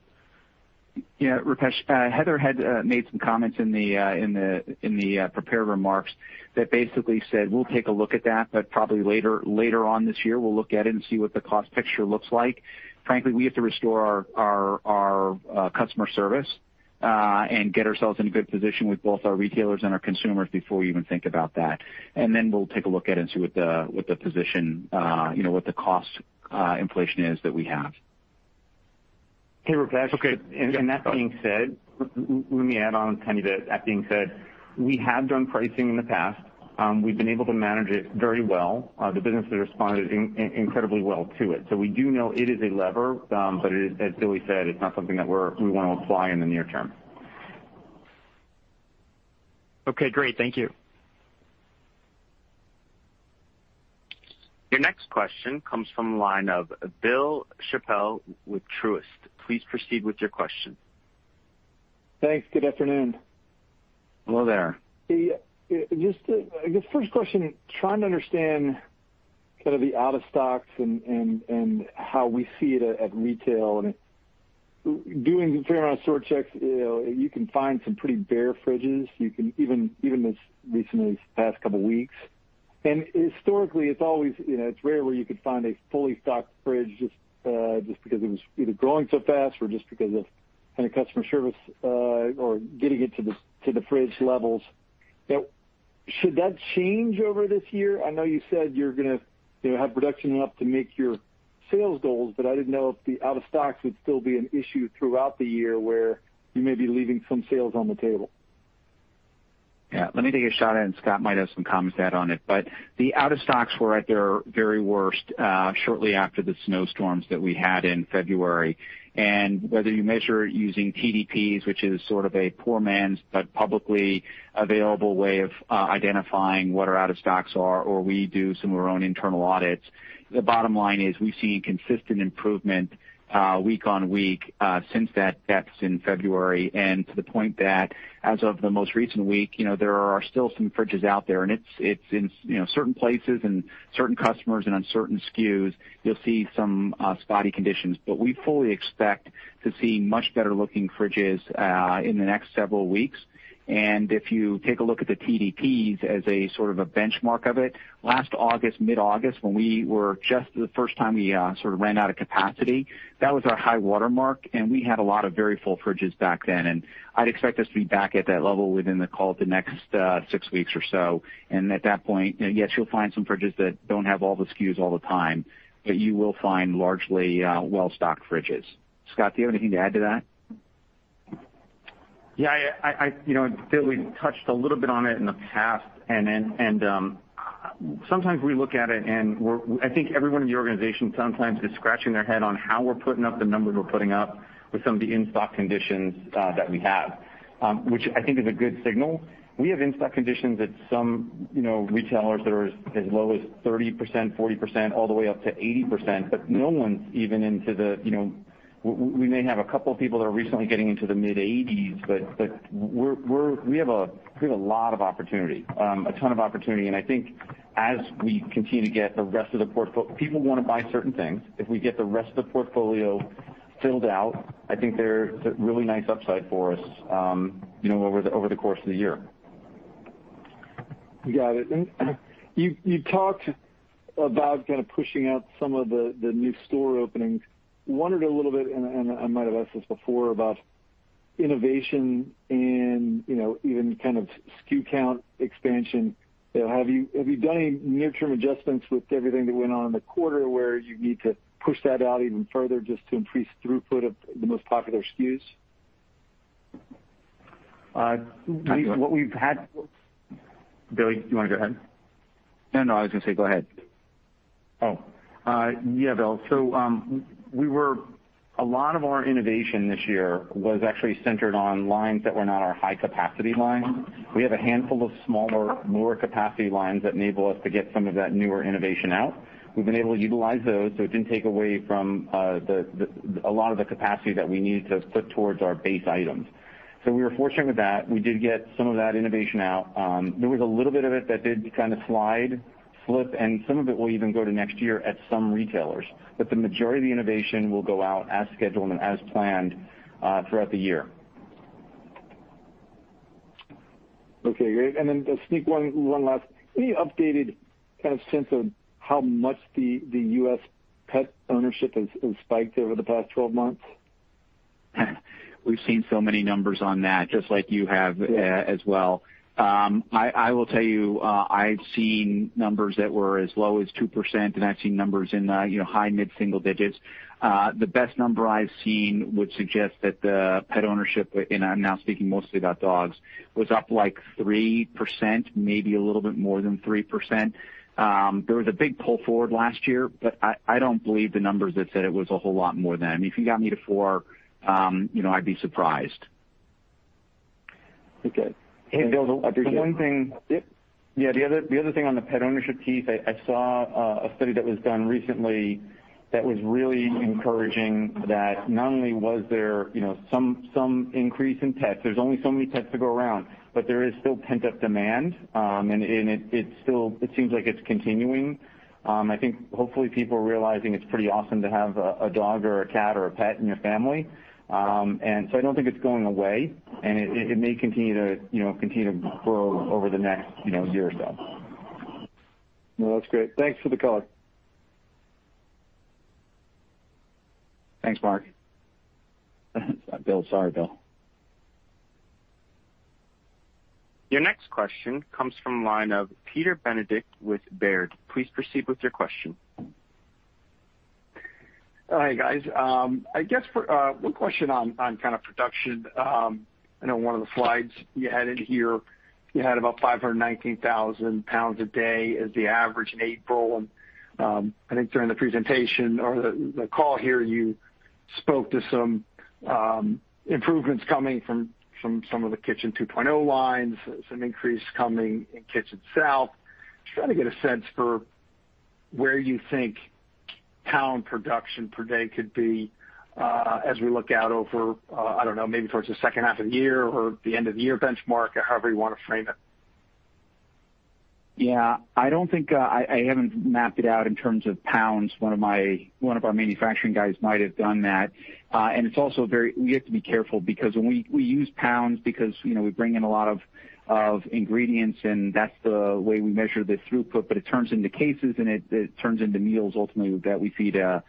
Yeah, Rupesh, Heather had made some comments in the prepared remarks that basically said we'll take a look at that, but probably later on this year, we'll look at it and see what the cost picture looks like. Frankly, we have to restore our customer service, and get ourselves in a good position with both our retailers and our consumers before we even think about that. Then we'll take a look at it and see what the cost inflation is that we have. Hey, Rupesh, that being said, let me add on a tiny bit. That being said, we have done pricing in the past. We've been able to manage it very well. The business has responded incredibly well to it. We do know it is a lever, but as Billy said, it's not something that we want to apply in the near term. Okay, great. Thank you. Your next question comes from the line of Bill Chappell with Truist. Please proceed with your question. Thanks. Good afternoon. Hello there. I guess first question, trying to understand kind of the out-of-stocks and how we see it at retail and doing a fair amount of store checks, you can find some pretty bare fridges, even as recently as the past couple of weeks. Historically, it's rare where you could find a fully stocked fridge just because it was either growing so fast or just because of customer service or getting it to the fridge levels. Now, should that change over this year? I know you said you're going to have production enough to make your sales goals, but I didn't know if the out-of-stocks would still be an issue throughout the year where you may be leaving some sales on the table. Yeah. Let me take a shot at it, and Scott might have some comments to add on it. The out-of-stocks were at their very worst shortly after the snowstorms that we had in February. Whether you measure it using TDPs, which is sort of a poor man's, but publicly available way of identifying what our out-of-stocks are, or we do some of our own internal audits. The bottom line is we've seen consistent improvement week on week since that in February. To the point that as of the most recent week, there are still some fridges out there, and it's in certain places and certain customers and on certain SKUs, you'll see some spotty conditions. We fully expect to see much better-looking fridges in the next several weeks. If you take a look at the TDPs as a sort of a benchmark of it, last August, mid-August, when we were just the first time we sort of ran out of capacity, that was our high water mark, and we had a lot of very full fridges back then, and I'd expect us to be back at that level within the next six weeks or so. At that point, yes, you'll find some fridges that don't have all the SKUs all the time, but you will find largely well-stocked fridges. Scott, do you have anything to add to that? Yeah, Bill, we touched a little bit on it in the past. Sometimes we look at it, and I think everyone in the organization sometimes is scratching their head on how we're putting up the numbers we're putting up with some of the in-stock conditions that we have, which I think is a good signal. We have in-stock conditions at some retailers that are as low as 30%, 40%, all the way up to 80%. We may have a couple of people that are recently getting into the mid-80s. We have a ton of opportunity. I think as we continue to get the rest of the portfolio. People want to buy certain things. If we get the rest of the portfolio filled out, I think there is a really nice upside for us over the course of the year. Got it. You talked about kind of pushing out some of the new store openings. I wondered a little bit, and I might have asked this before about innovation and even kind of SKU count expansion. Have you done any near-term adjustments with everything that went on in the quarter where you need to push that out even further just to increase throughput of the most popular SKUs? Billy, do you want to go ahead? No, I was going to say go ahead. Oh. Yeah, Bill. A lot of our innovation this year was actually centered on lines that were not our high-capacity lines. We have a handful of smaller, lower capacity lines that enable us to get some of that newer innovation out. We've been able to utilize those, so it didn't take away from a lot of the capacity that we needed to put towards our base items. We were fortunate with that. We did get some of that innovation out. There was a little bit of it that did kind of slide, flip, and some of it will even go to next year at some retailers. The majority of the innovation will go out as scheduled and as planned throughout the year. Okay, great. Just sneak one last. Any updated kind of sense of how much the U.S. pet ownership has spiked over the past 12 months? We've seen so many numbers on that, just like you have as well. I will tell you, I've seen numbers that were as low as 2%, and I've seen numbers in high mid-single digits. The best number I've seen would suggest that the pet ownership, and I'm now speaking mostly about dogs, was up like 3%, maybe a little bit more than 3%. There was a big pull forward last year. I don't believe the numbers that said it was a whole lot more than. If you got me to four, I'd be surprised. Okay. Hey, Bill. Yep. Yeah, the other thing on the pet ownership piece, I saw a study that was done recently that was really encouraging that not only was there some increase in pets, there's only so many pets to go around, but there is still pent-up demand, and it seems like it's continuing. I think hopefully people are realizing it's pretty awesome to have a dog or a cat or a pet in your family. I don't think it's going away, and it may continue to grow over the next year or so. No, that's great. Thanks for the color. Thanks, Mark. Bill, sorry, Bill. Your next question comes from the line of Peter Benedict with Baird. Please proceed with your question. Hi, guys. I guess one question on production. I know one of the slides you had in here, you had about 519,000 pounds a day as the average in April, and I think during the presentation or the call here, you spoke to some improvements coming from some of the Kitchen 2.0 lines, some increase coming in Kitchen South. Just trying to get a sense for where you think pound production per day could be as we look out over, I don't know, maybe towards the second half of the year or the end of the year benchmark, or however you want to frame it? Yeah. I haven't mapped it out in terms of pounds. One of our manufacturing guys might have done that. We have to be careful because when we use pounds because we bring in a lot of ingredients, and that's the way we measure the throughput, but it turns into cases, and it turns into meals ultimately that we feed a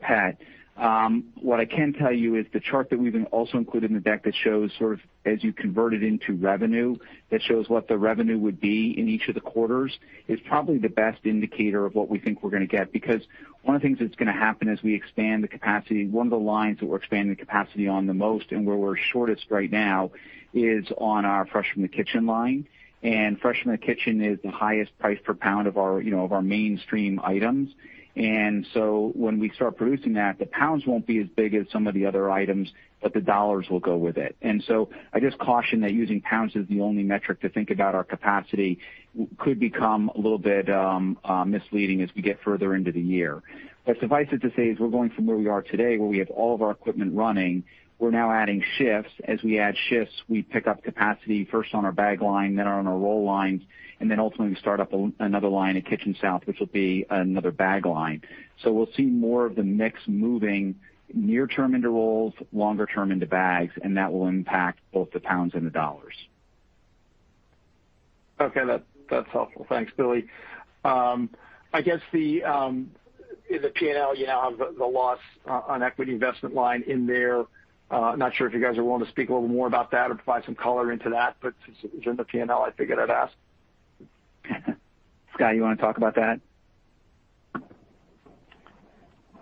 pet. What I can tell you is the chart that we've also included in the deck that shows sort of as you convert it into revenue, that shows what the revenue would be in each of the quarters, is probably the best indicator of what we think we're going to get. One of the things that's going to happen as we expand the capacity, one of the lines that we're expanding the capacity on the most and where we're shortest right now is on our Fresh From The Kitchen line. Fresh From The Kitchen is the highest price per pound of our mainstream items. When we start producing that, the pounds won't be as big as some of the other items, but the dollars will go with it. I just caution that using pounds as the only metric to think about our capacity could become a little bit misleading as we get further into the year. Suffice it to say, is we're going from where we are today, where we have all of our equipment running. We're now adding shifts. As we add shifts, we pick up capacity first on our bag line, then on our roll lines, and then ultimately we start up another line at Kitchen South, which will be another bag line. We'll see more of the mix moving near term into rolls, longer term into bags, and that will impact both the pounds and the dollars. Okay. That's helpful. Thanks, Billy. I guess in the P&L, you now have the loss on equity investment line in there. Not sure if you guys are willing to speak a little more about that or provide some color into that, but since it was in the P&L, I figured I'd ask. Scott, you want to talk about that?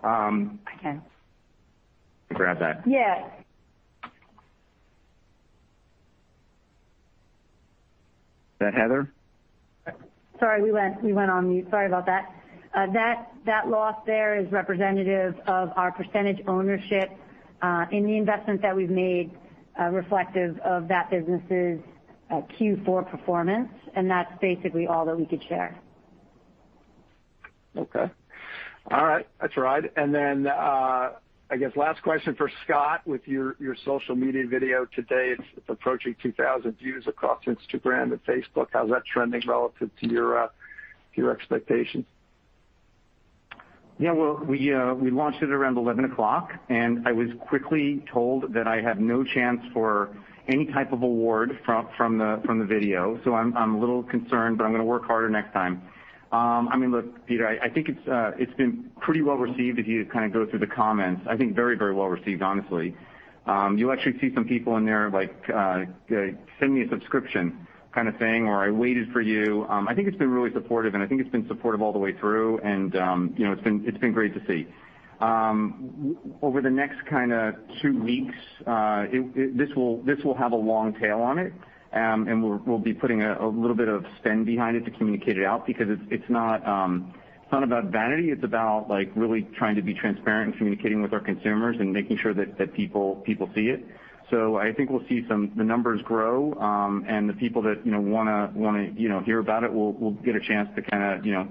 I can. Grab that. Yeah. Is that Heather? Sorry, we went on mute. Sorry about that. That loss there is representative of our percentage ownership in the investment that we've made reflective of that business's Q4 performance, and that's basically all that we could share. Okay. All right. That's all right. I guess last question for Scott with your social media video today, it's approaching 2,000 views across Instagram and Facebook. How's that trending relative to your expectations? Well, we launched it around 11:00 A.M., and I was quickly told that I have no chance for any type of award from the video. I'm a little concerned, but I'm gonna work harder next time. Peter, I think it's been pretty well received. If you kind of go through the comments, I think very well received, honestly. You actually see some people in there like, "Send me a subscription," kind of thing, or, "I waited for you." I think it's been really supportive, and I think it's been supportive all the way through. It's been great to see. Over the next kind of two weeks, this will have a long tail on it. We'll be putting a little bit of spend behind it to communicate it out because it's not about vanity, it's about really trying to be transparent and communicating with our consumers and making sure that people see it. I think we'll see the numbers grow, and the people that want to hear about it will get a chance to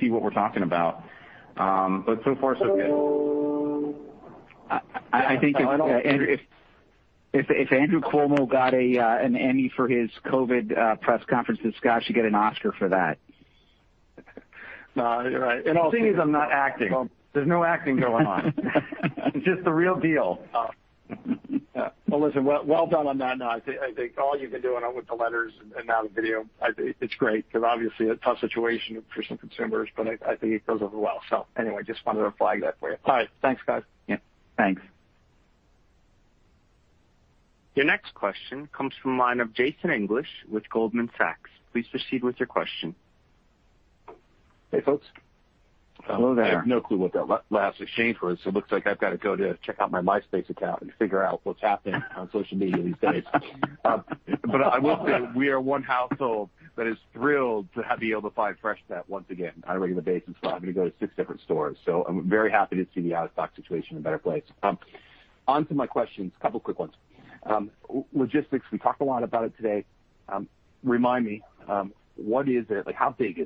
see what we're talking about. So far, so good. If Andrew Cuomo got an Emmy for his COVID press conference, then Scott should get an Oscar for that. No, you're right. The thing is, I'm not acting. There's no acting going on. It's just the real deal. Well, listen, well done on that. I think all you've been doing with the letters and now the video, it's great because obviously a tough situation for some consumers, but I think it goes over well. Anyway, just wanted to flag that for you. All right. Thanks, guys. Yeah. Thanks. Your next question comes from the line of Jason English with Goldman Sachs. Please proceed with your question. Hey, folks. Hello there. I have no clue what that last exchange was, looks like I've got to go to check out my Myspace account and figure out what's happening on social media these days. I will say we are one household that is thrilled to have been able to find Freshpet once again on a regular basis without having to go to six different stores. I'm very happy to see the out-of-stock situation in a better place. On to my questions, a couple quick ones. Logistics, we talked a lot about it today. Remind me, how big is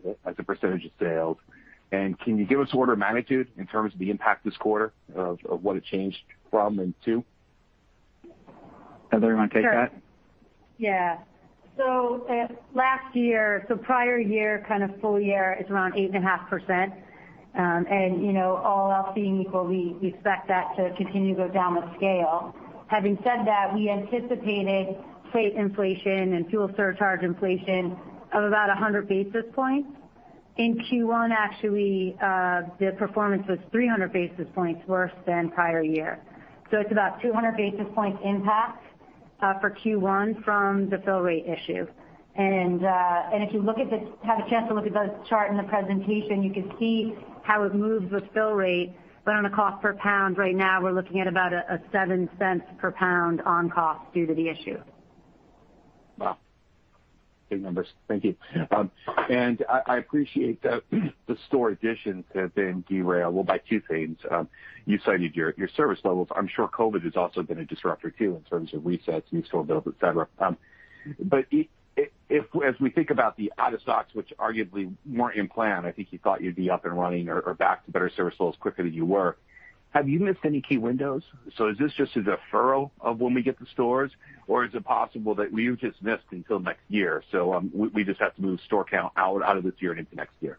it as a percentage of sales? And can you give us order of magnitude in terms of the impact this quarter of what it changed from and to? Heather, you want to take that? Sure. Yeah. Last year, so prior year, kind of full year is around 8.5%. All else being equal, we expect that to continue to go down with scale. Having said that, we anticipated freight inflation and fuel surcharge inflation of about 100 basis points. In Q1, actually, the performance was 300 basis points worse than prior year. It's about 200 basis points impact for Q1 from the fill rate issue. If you have a chance to look at the chart in the presentation, you can see how it moves with fill rate, but on a cost per pound right now, we're looking at about a $0.07 per pound on cost due to the issue. Wow. Big numbers. Thank you. I appreciate the store additions have been derailed, well, by two things. You cited your service levels. I'm sure COVID has also been a disruptor too in terms of resets, new store builds, et cetera. As we think about the out of stocks, which arguably weren't in plan, I think you thought you'd be up and running or back to better service levels quicker than you were. Have you missed any key windows? Is this just a deferral of when we get the stores, or is it possible that you've just missed until next year, so we just have to move store count out of this year and into next year?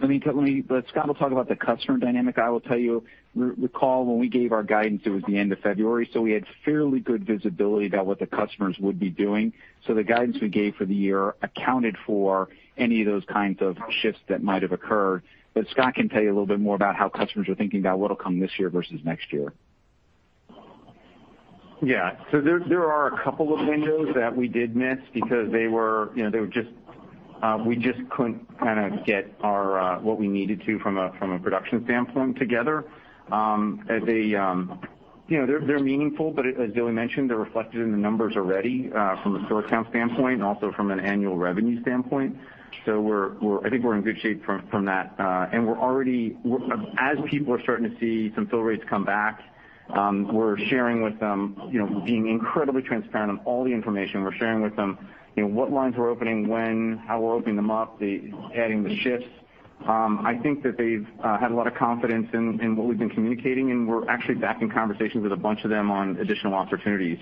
Scott will talk about the customer dynamic. I will tell you, recall when we gave our guidance, it was the end of February, we had fairly good visibility about what the customers would be doing. The guidance we gave for the year accounted for any of those kinds of shifts that might have occurred. Scott can tell you a little bit more about how customers are thinking about what'll come this year versus next year. Yeah. There are a couple of windows that we did miss because we just couldn't get what we needed to from a production standpoint together. They're meaningful, but as Billy mentioned, they're reflected in the numbers already, from a store count standpoint, and also from an annual revenue standpoint. I think we're in good shape from that. As people are starting to see some fill rates come back, we're sharing with them, being incredibly transparent on all the information. We're sharing with them, what lines we're opening, when, how we're opening them up, the adding the shifts. I think that they've had a lot of confidence in what we've been communicating, and we're actually back in conversations with a bunch of them on additional opportunities.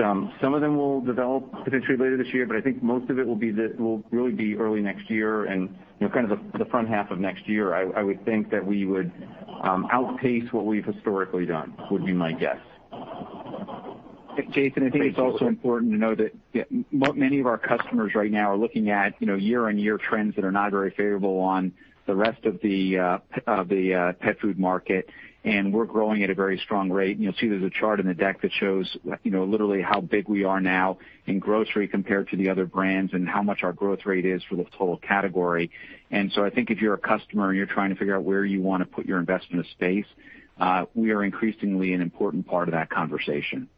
Some of them will develop potentially later this year, but I think most of it will really be early next year and kind of the front half of next year, I would think that we would outpace what we've historically done, would be my guess. Jason, I think it's also important to know that many of our customers right now are looking at year-on-year trends that are not very favorable on the rest of the pet food market. We're growing at a very strong rate, and you'll see there's a chart in the deck that shows literally how big we are now in grocery compared to the other brands and how much our growth rate is for the total category. I think if you're a customer and you're trying to figure out where you want to put your investment of space, we are increasingly an important part of that conversation.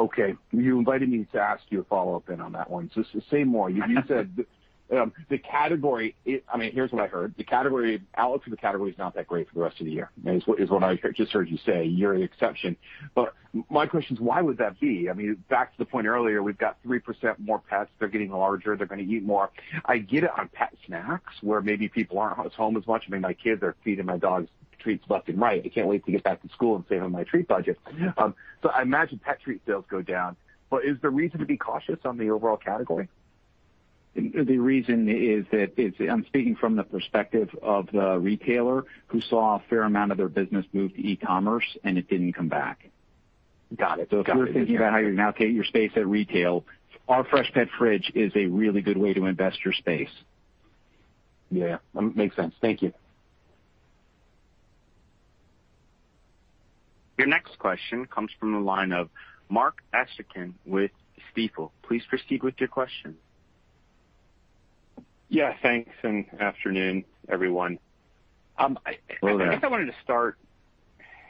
Okay. You invited me to ask you a follow-up in on that one. Say more. You said the category, here's what I heard. The outlook for the category is not that great for the rest of the year, is what I just heard you say. You're the exception. My question is, why would that be? Back to the point earlier, we've got 3% more pets. They're getting larger. They're going to eat more. I get it on pet snacks, where maybe people aren't home as much. Maybe my kids are feeding my dogs treats left and right. I can't wait to get back to school and save on my treat budget. I imagine pet treat sales go down. Is there reason to be cautious on the overall category? The reason is that I'm speaking from the perspective of the retailer who saw a fair amount of their business move to e-commerce, and it didn't come back. Got it. If you're thinking about how you're going to allocate your space at retail, our Freshpet Fridge is a really good way to invest your space. Yeah. Makes sense. Thank you. Your next question comes from the line of Mark Astrachan with Stifel. Please proceed with your question. Yeah, thanks, and afternoon, everyone. Hello there.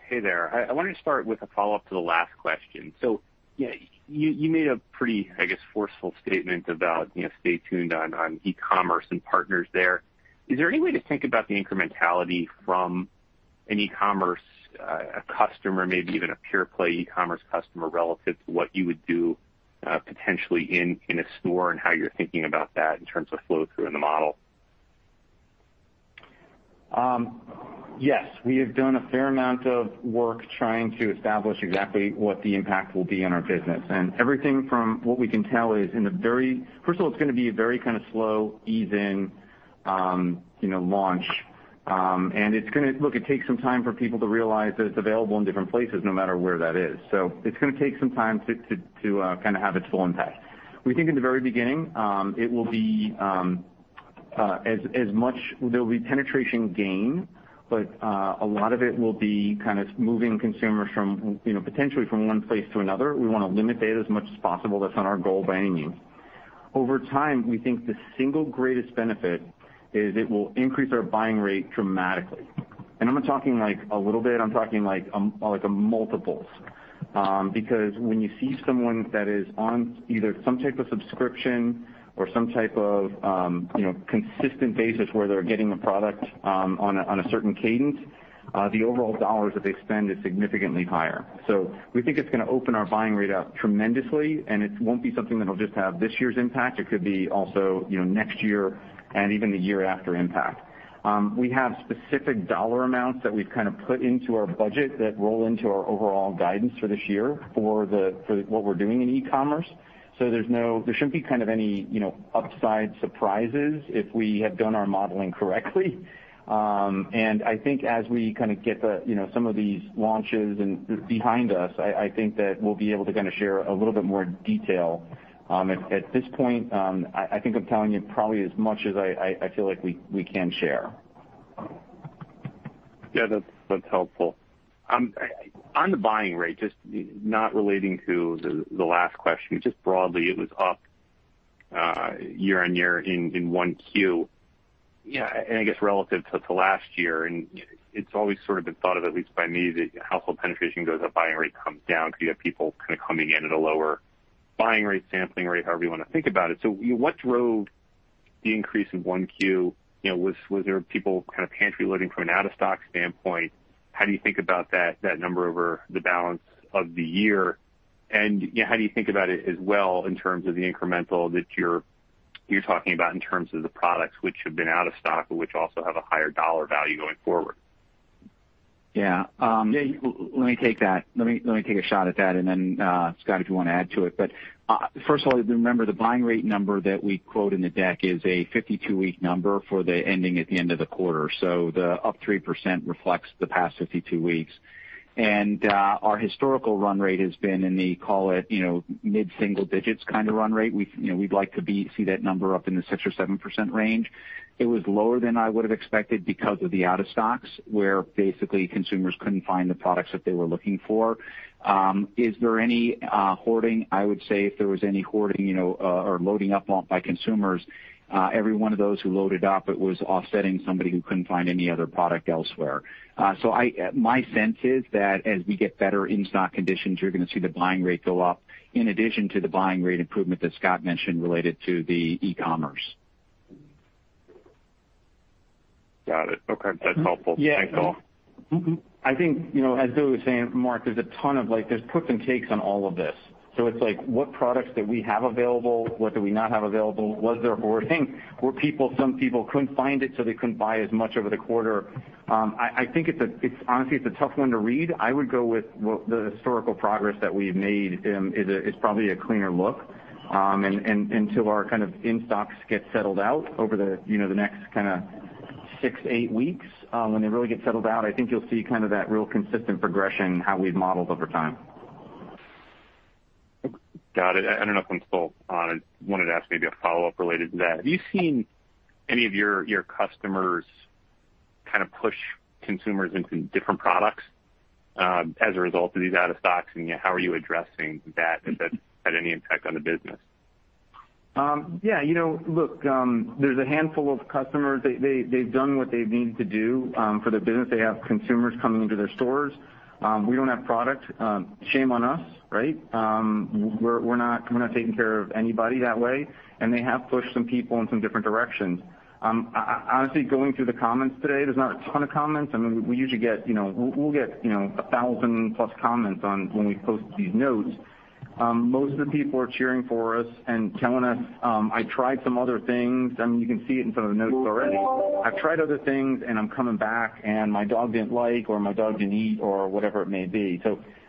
Hey there. I wanted to start with a follow-up to the last question. You made a pretty, I guess, forceful statement about stay tuned on e-commerce and partners there. Is there any way to think about the incrementality from an e-commerce customer, maybe even a pure-play e-commerce customer, relative to what you would do potentially in a store and how you're thinking about that in terms of flow-through in the model? Yes. We have done a fair amount of work trying to establish exactly what the impact will be on our business. Everything from what we can tell is first of all, it's gonna be a very kind of slow ease in launch. Look, it takes some time for people to realize that it's available in different places no matter where that is. It's gonna take some time to kind of have its full impact. We think in the very beginning, there'll be penetration gain, but a lot of it will be kind of moving consumers potentially from one place to another. We wanna limit that as much as possible. That's not our goal by any means. Over time, we think the single greatest benefit is it will increase our buying rate dramatically. I'm not talking like a little bit. I'm talking like multiples. When you see someone that is on either some type of subscription or some type of consistent basis where they're getting a product on a certain cadence, the overall dollars that they spend is significantly higher. We think it's gonna open our buying rate up tremendously, and it won't be something that'll just have this year's impact. It could be also next year and even the year after impact. We have specific dollar amounts that we've kind of put into our budget that roll into our overall guidance for this year for what we're doing in e-commerce. There shouldn't be any upside surprises if we have done our modeling correctly. I think as we kind of get some of these launches behind us, I think that we'll be able to share a little bit more detail. At this point, I think I'm telling you probably as much as I feel like we can share. Yeah, that's helpful. On the buying rate, just not relating to the last question, just broadly, it was up year-on-year in 1Q. I guess relative to last year, it's always sort of been thought of, at least by me, that household penetration goes up, buying rate comes down because you have people kind of coming in at a lower buying rate, sampling rate, however you want to think about it. What drove the increase in 1Q? Was there people kind of pantry loading from an out-of-stock standpoint? How do you think about that number over the balance of the year? How do you think about it as well in terms of the incremental that you're talking about in terms of the products which have been out of stock, but which also have a higher dollar value going forward? Yeah. Let me take that. Let me take a shot at that, and then, Scott, if you want to add to it. First of all, remember the buying rate number that we quote in the deck is a 52-week number for the ending at the end of the quarter. The up 3% reflects the past 52 weeks. Our historical run rate has been in the, call it, mid-single digits kind of run rate. We'd like to see that number up in the 6% or 7% range. It was lower than I would've expected because of the out of stocks, where basically consumers couldn't find the products that they were looking for. Is there any hoarding? I would say if there was any hoarding or loading up by consumers, every one of those who loaded up, it was offsetting somebody who couldn't find any other product elsewhere. My sense is that as we get better in-stock conditions, you're gonna see the buying rate go up in addition to the buying rate improvement that Scott mentioned related to the e-commerce. Got it. Okay. That's helpful. Thanks all. I think, as Bill was saying, Mark, there's a ton of like, there's puts and takes on all of this. It's like, what products did we have available? What do we not have available? Was there hoarding? Were some people couldn't find it, so they couldn't buy as much over the quarter? I think honestly, it's a tough one to read. I would go with the historical progress that we've made is probably a cleaner look until our kind of in-stocks get settled out over the next kind of six, eight weeks. When they really get settled out, I think you'll see kind of that real consistent progression how we've modeled over time. Got it. I know if I'm still on, I wanted to ask maybe a follow-up related to that. Have you seen any of your customers kind of push consumers into different products as a result of these out of stocks, and how are you addressing that? Has that had any impact on the business? Yeah. Look, there's a handful of customers, they've done what they've needed to do for their business. They have consumers coming into their stores. We don't have product. Shame on us, right? We're not taking care of anybody that way, and they have pushed some people in some different directions. Honestly, going through the comments today, there's not a ton of comments. We usually get 1,000-plus comments when we post these notes. Most of the people are cheering for us and telling us, "I tried some other things." You can see it in some of the notes already. "I've tried other things and I'm coming back, and my dog didn't like," or, "My dog didn't eat," or whatever it may be.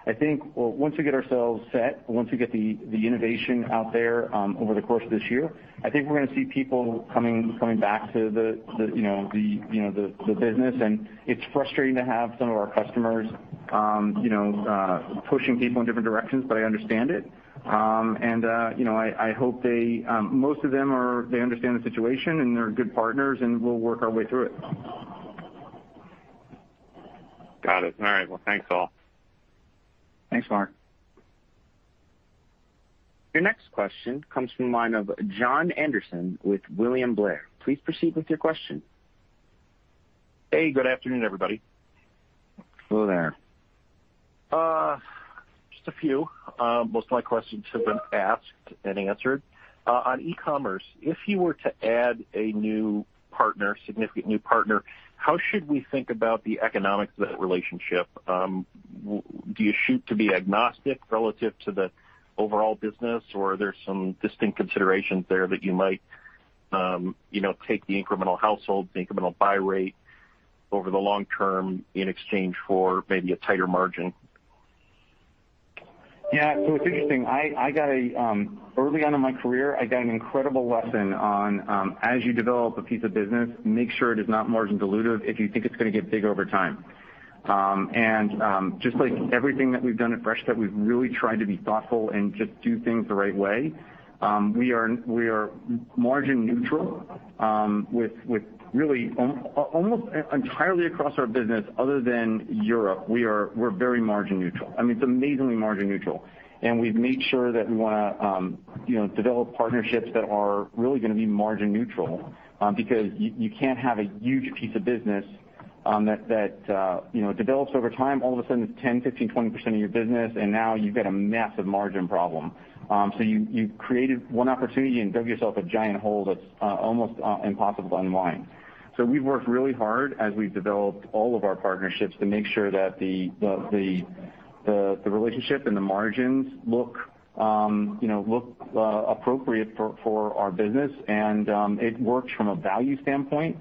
I think once we get ourselves set, once we get the innovation out there over the course of this year, I think we're gonna see people coming back to the business. It's frustrating to have some of our customers pushing people in different directions, but I understand it. Most of them, they understand the situation, and they're good partners, and we'll work our way through it. Got it. All right. Well, thanks all. Thanks, Mark. Your next question comes from the line of Jon Andersen with William Blair. Please proceed with your question. Hey, good afternoon, everybody. Hello there. Just a few. Most of my questions have been asked and answered. On e-commerce, if you were to add a significant new partner, how should we think about the economics of that relationship? Do you shoot to be agnostic relative to the overall business, or are there some distinct considerations there that you might take the incremental household, the incremental buy rate over the long term in exchange for maybe a tighter margin? Yeah. It's interesting. Early on in my career, I got an incredible lesson on, as you develop a piece of business, make sure it is not margin dilutive if you think it's gonna get big over time. Just like everything that we've done at Freshpet, we've really tried to be thoughtful and just do things the right way. We are margin neutral, with really almost entirely across our business other than Europe, we're very margin neutral. It's amazingly margin neutral. We've made sure that we want to develop partnerships that are really gonna be margin neutral, because you can't have a huge piece of business that develops over time. All of a sudden, it's 10%, 15%, 20% of your business, and now you've got a massive margin problem. You created one opportunity and dug yourself a giant hole that's almost impossible to unwind. We've worked really hard as we've developed all of our partnerships to make sure that the relationship and the margins look appropriate for our business. It works from a value standpoint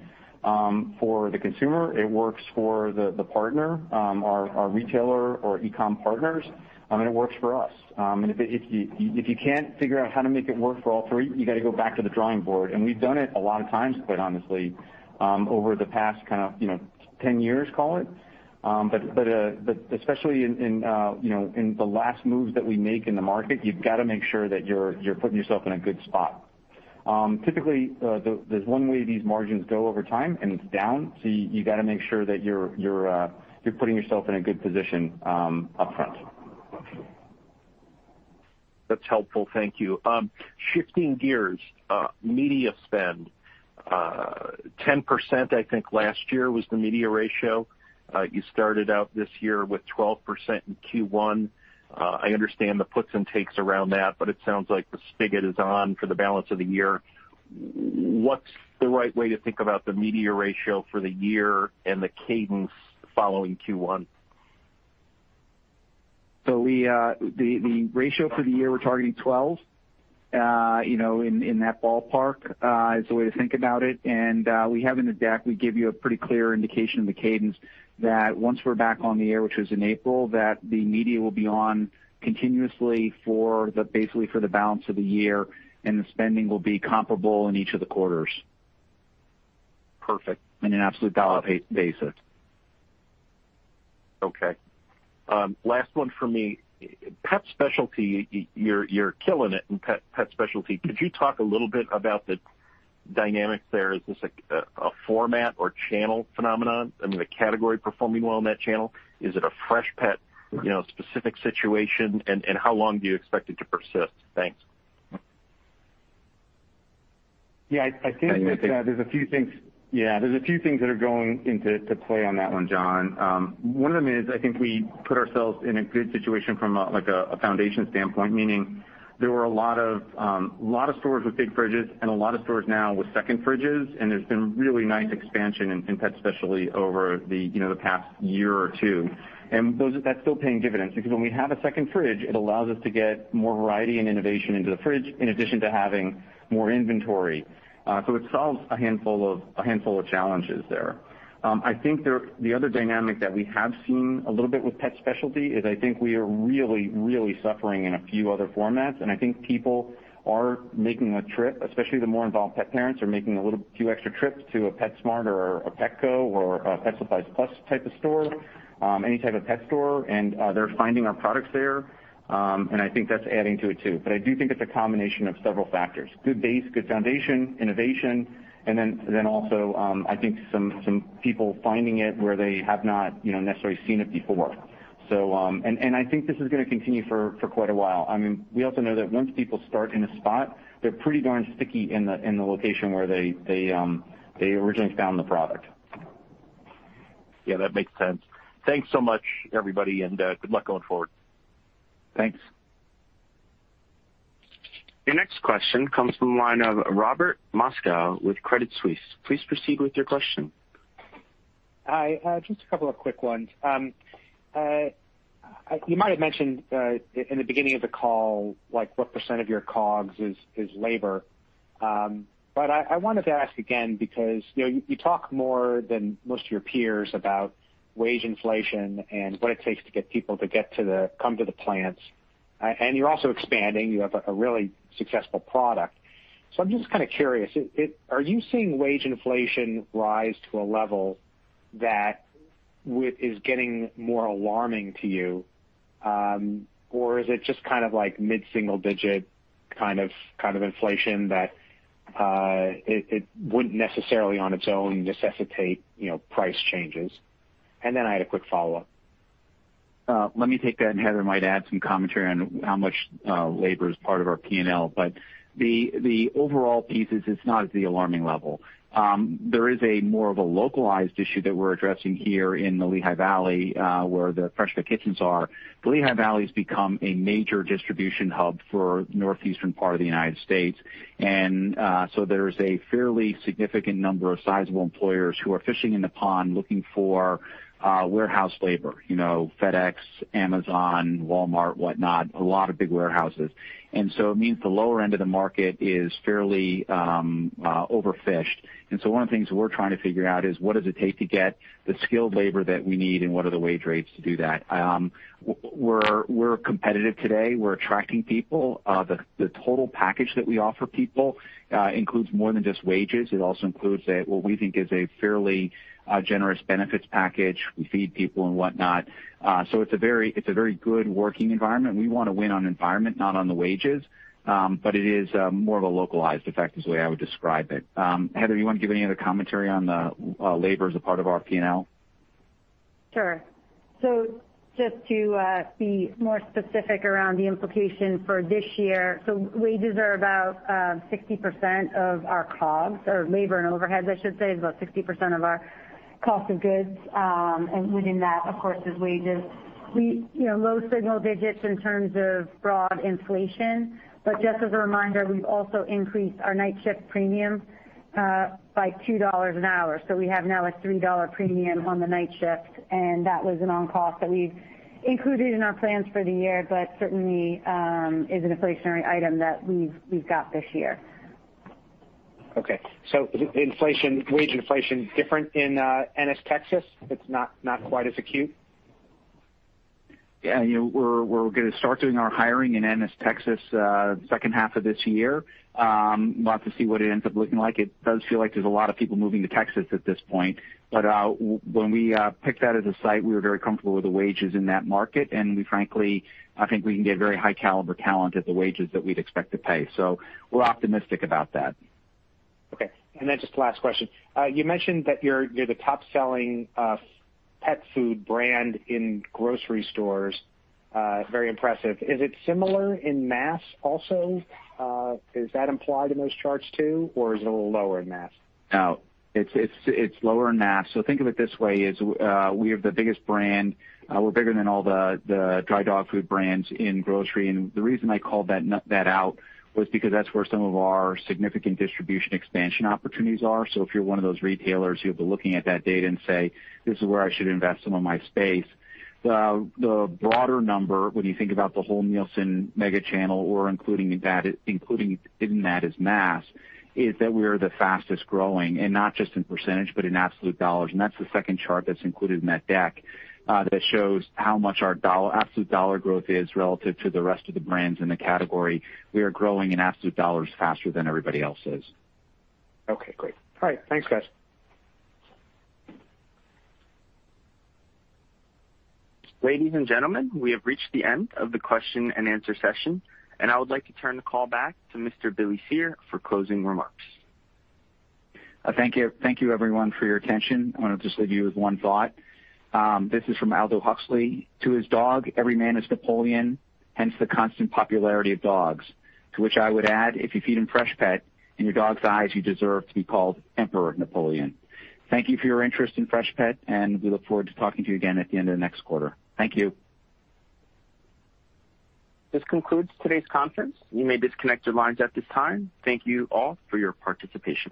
for the consumer, it works for the partner, our retailer or e-com partners, and it works for us. If you can't figure out how to make it work for all three, you got to go back to the drawing board. We've done it a lot of times, quite honestly, over the past kind of 10 years, call it. Especially in the last moves that we make in the market, you've got to make sure that you're putting yourself in a good spot. Typically, there's one way these margins go over time, and it's down. You got to make sure that you're putting yourself in a good position upfront. That's helpful. Thank you. Shifting gears, media spend, 10%, I think last year was the media ratio. You started out this year with 12% in Q1. I understand the puts and takes around that, it sounds like the spigot is on for the balance of the year. What's the right way to think about the media ratio for the year and the cadence following Q1? The ratio for the year, we're targeting 12%, in that ballpark, is the way to think about it. We have in the deck, we give you a pretty clear indication of the cadence that once we're back on the air, which was in April, that the media will be on continuously basically for the balance of the year, and the spending will be comparable in each of the quarters. Perfect. In an absolute dollar basis. Okay. Last one for me, pet specialty, you're killing it in pet specialty. Could you talk a little bit about the dynamics there? Is this a format or channel phenomenon? I mean, the category performing well in that channel. Is it a Freshpet specific situation, and how long do you expect it to persist? Thanks. Yeah, I think that there's a few things that are going into play on that one, Jon. One of them is, I think we put ourselves in a good situation from a foundation standpoint, meaning there were a lot of stores with big fridges and a lot of stores now with second fridges, and there's been really nice expansion in pet specialty over the past year or two. That's still paying dividends because when we have a second fridge, it allows us to get more variety and innovation into the fridge, in addition to having more inventory. It solves a handful of challenges there. I think the other dynamic that we have seen a little bit with pet specialty is I think we are really, really suffering in a few other formats, and I think people are making a trip, especially the more involved pet parents, are making a few extra trips to a PetSmart or a Petco or a Pet Supplies Plus type of store, any type of pet store, and they're finding our products there. I think that's adding to it, too. I do think it's a combination of several factors. Good base, good foundation, innovation, and then also, I think some people finding it where they have not necessarily seen it before. I think this is going to continue for quite a while. We also know that once people start in a spot, they're pretty darn sticky in the location where they originally found the product. Yeah, that makes sense. Thanks so much, everybody, and good luck going forward. Thanks. Your next question comes from the line of Robert Moskow with Credit Suisse. Please proceed with your question. Hi. Just a couple of quick ones. You might have mentioned in the beginning of the call, like what percent of your COGS is labor. I wanted to ask again because you talk more than most of your peers about wage inflation and what it takes to get people to come to the plants. You're also expanding. You have a really successful product. I'm just curious, are you seeing wage inflation rise to a level that is getting more alarming to you? Is it just mid-single digit kind of inflation that it wouldn't necessarily on its own necessitate price changes? I had a quick follow-up. Let me take that, and Heather might add some commentary on how much labor is part of our P&L. The overall piece is it's not at the alarming level. There is a more of a localized issue that we're addressing here in the Lehigh Valley, where the Freshpet Kitchens are. The Lehigh Valley's become a major distribution hub for northeastern part of the U.S. There's a fairly significant number of sizable employers who are fishing in the pond looking for warehouse labor. FedEx, Amazon, Walmart, whatnot, a lot of big warehouses. It means the lower end of the market is fairly overfished. One of the things we're trying to figure out is what does it take to get the skilled labor that we need, and what are the wage rates to do that? We're competitive today. We're attracting people. The total package that we offer people includes more than just wages. It also includes what we think is a fairly generous benefits package. We feed people and whatnot. It's a very good working environment. We want to win on environment, not on the wages. It is more of a localized effect is the way I would describe it. Heather, you want to give any other commentary on the labor as a part of our P&L? Sure. Just to be more specific around the implication for this year, wages are about 60% of our COGS, or labor and overheads, I should say, is about 60% of our cost of goods. Within that, of course, is wages. Low single digits in terms of broad inflation. Just as a reminder, we've also increased our night shift premium by $2 an hour. We have now a $3 premium on the night shift, and that was an on cost that we've included in our plans for the year, but certainly is an inflationary item that we've got this year. Okay. Wage inflation different in Ennis, Texas? It's not quite as acute? Yeah. We're going to start doing our hiring in Ennis, Texas, second half of this year. It does feel like there's a lot of people moving to Texas at this point. When we picked that as a site, we were very comfortable with the wages in that market, and we frankly, I think we can get very high caliber talent at the wages that we'd expect to pay. We're optimistic about that. Okay. Just last question. You mentioned that you're the top-selling pet food brand in grocery stores. Very impressive. Is it similar in mass also? Is that implied in those charts, too, or is it a little lower in mass? It's lower in mass. Think of it this way, is we have the biggest brand. We're bigger than all the dry dog food brands in grocery. The reason I called that out was because that's where some of our significant distribution expansion opportunities are. If you're one of those retailers who'll be looking at that data and say, "This is where I should invest some of my space." The broader number, when you think about the whole Nielsen Mega Channel or including in that is mass, is that we are the fastest-growing, and not just in %, but in absolute dollars. That's the second chart that's included in that deck that shows how much our absolute dollar growth is relative to the rest of the brands in the category. We are growing in absolute dollars faster than everybody else is. Okay, great. All right. Thanks, guys. Ladies and gentlemen, we have reached the end of the question and answer session, and I would like to turn the call back to Mr. Billy Cyr for closing remarks. Thank you, everyone, for your attention. I want to just leave you with one thought. This is from Aldous Huxley. To his dog, every man is Napoleon, hence the constant popularity of dogs. To which I would add, if you feed him Freshpet, in your dog's eyes, you deserve to be called Emperor Napoleon. Thank you for your interest in Freshpet, and we look forward to talking to you again at the end of next quarter. Thank you. This concludes today's conference. You may disconnect your lines at this time. Thank you all for your participation.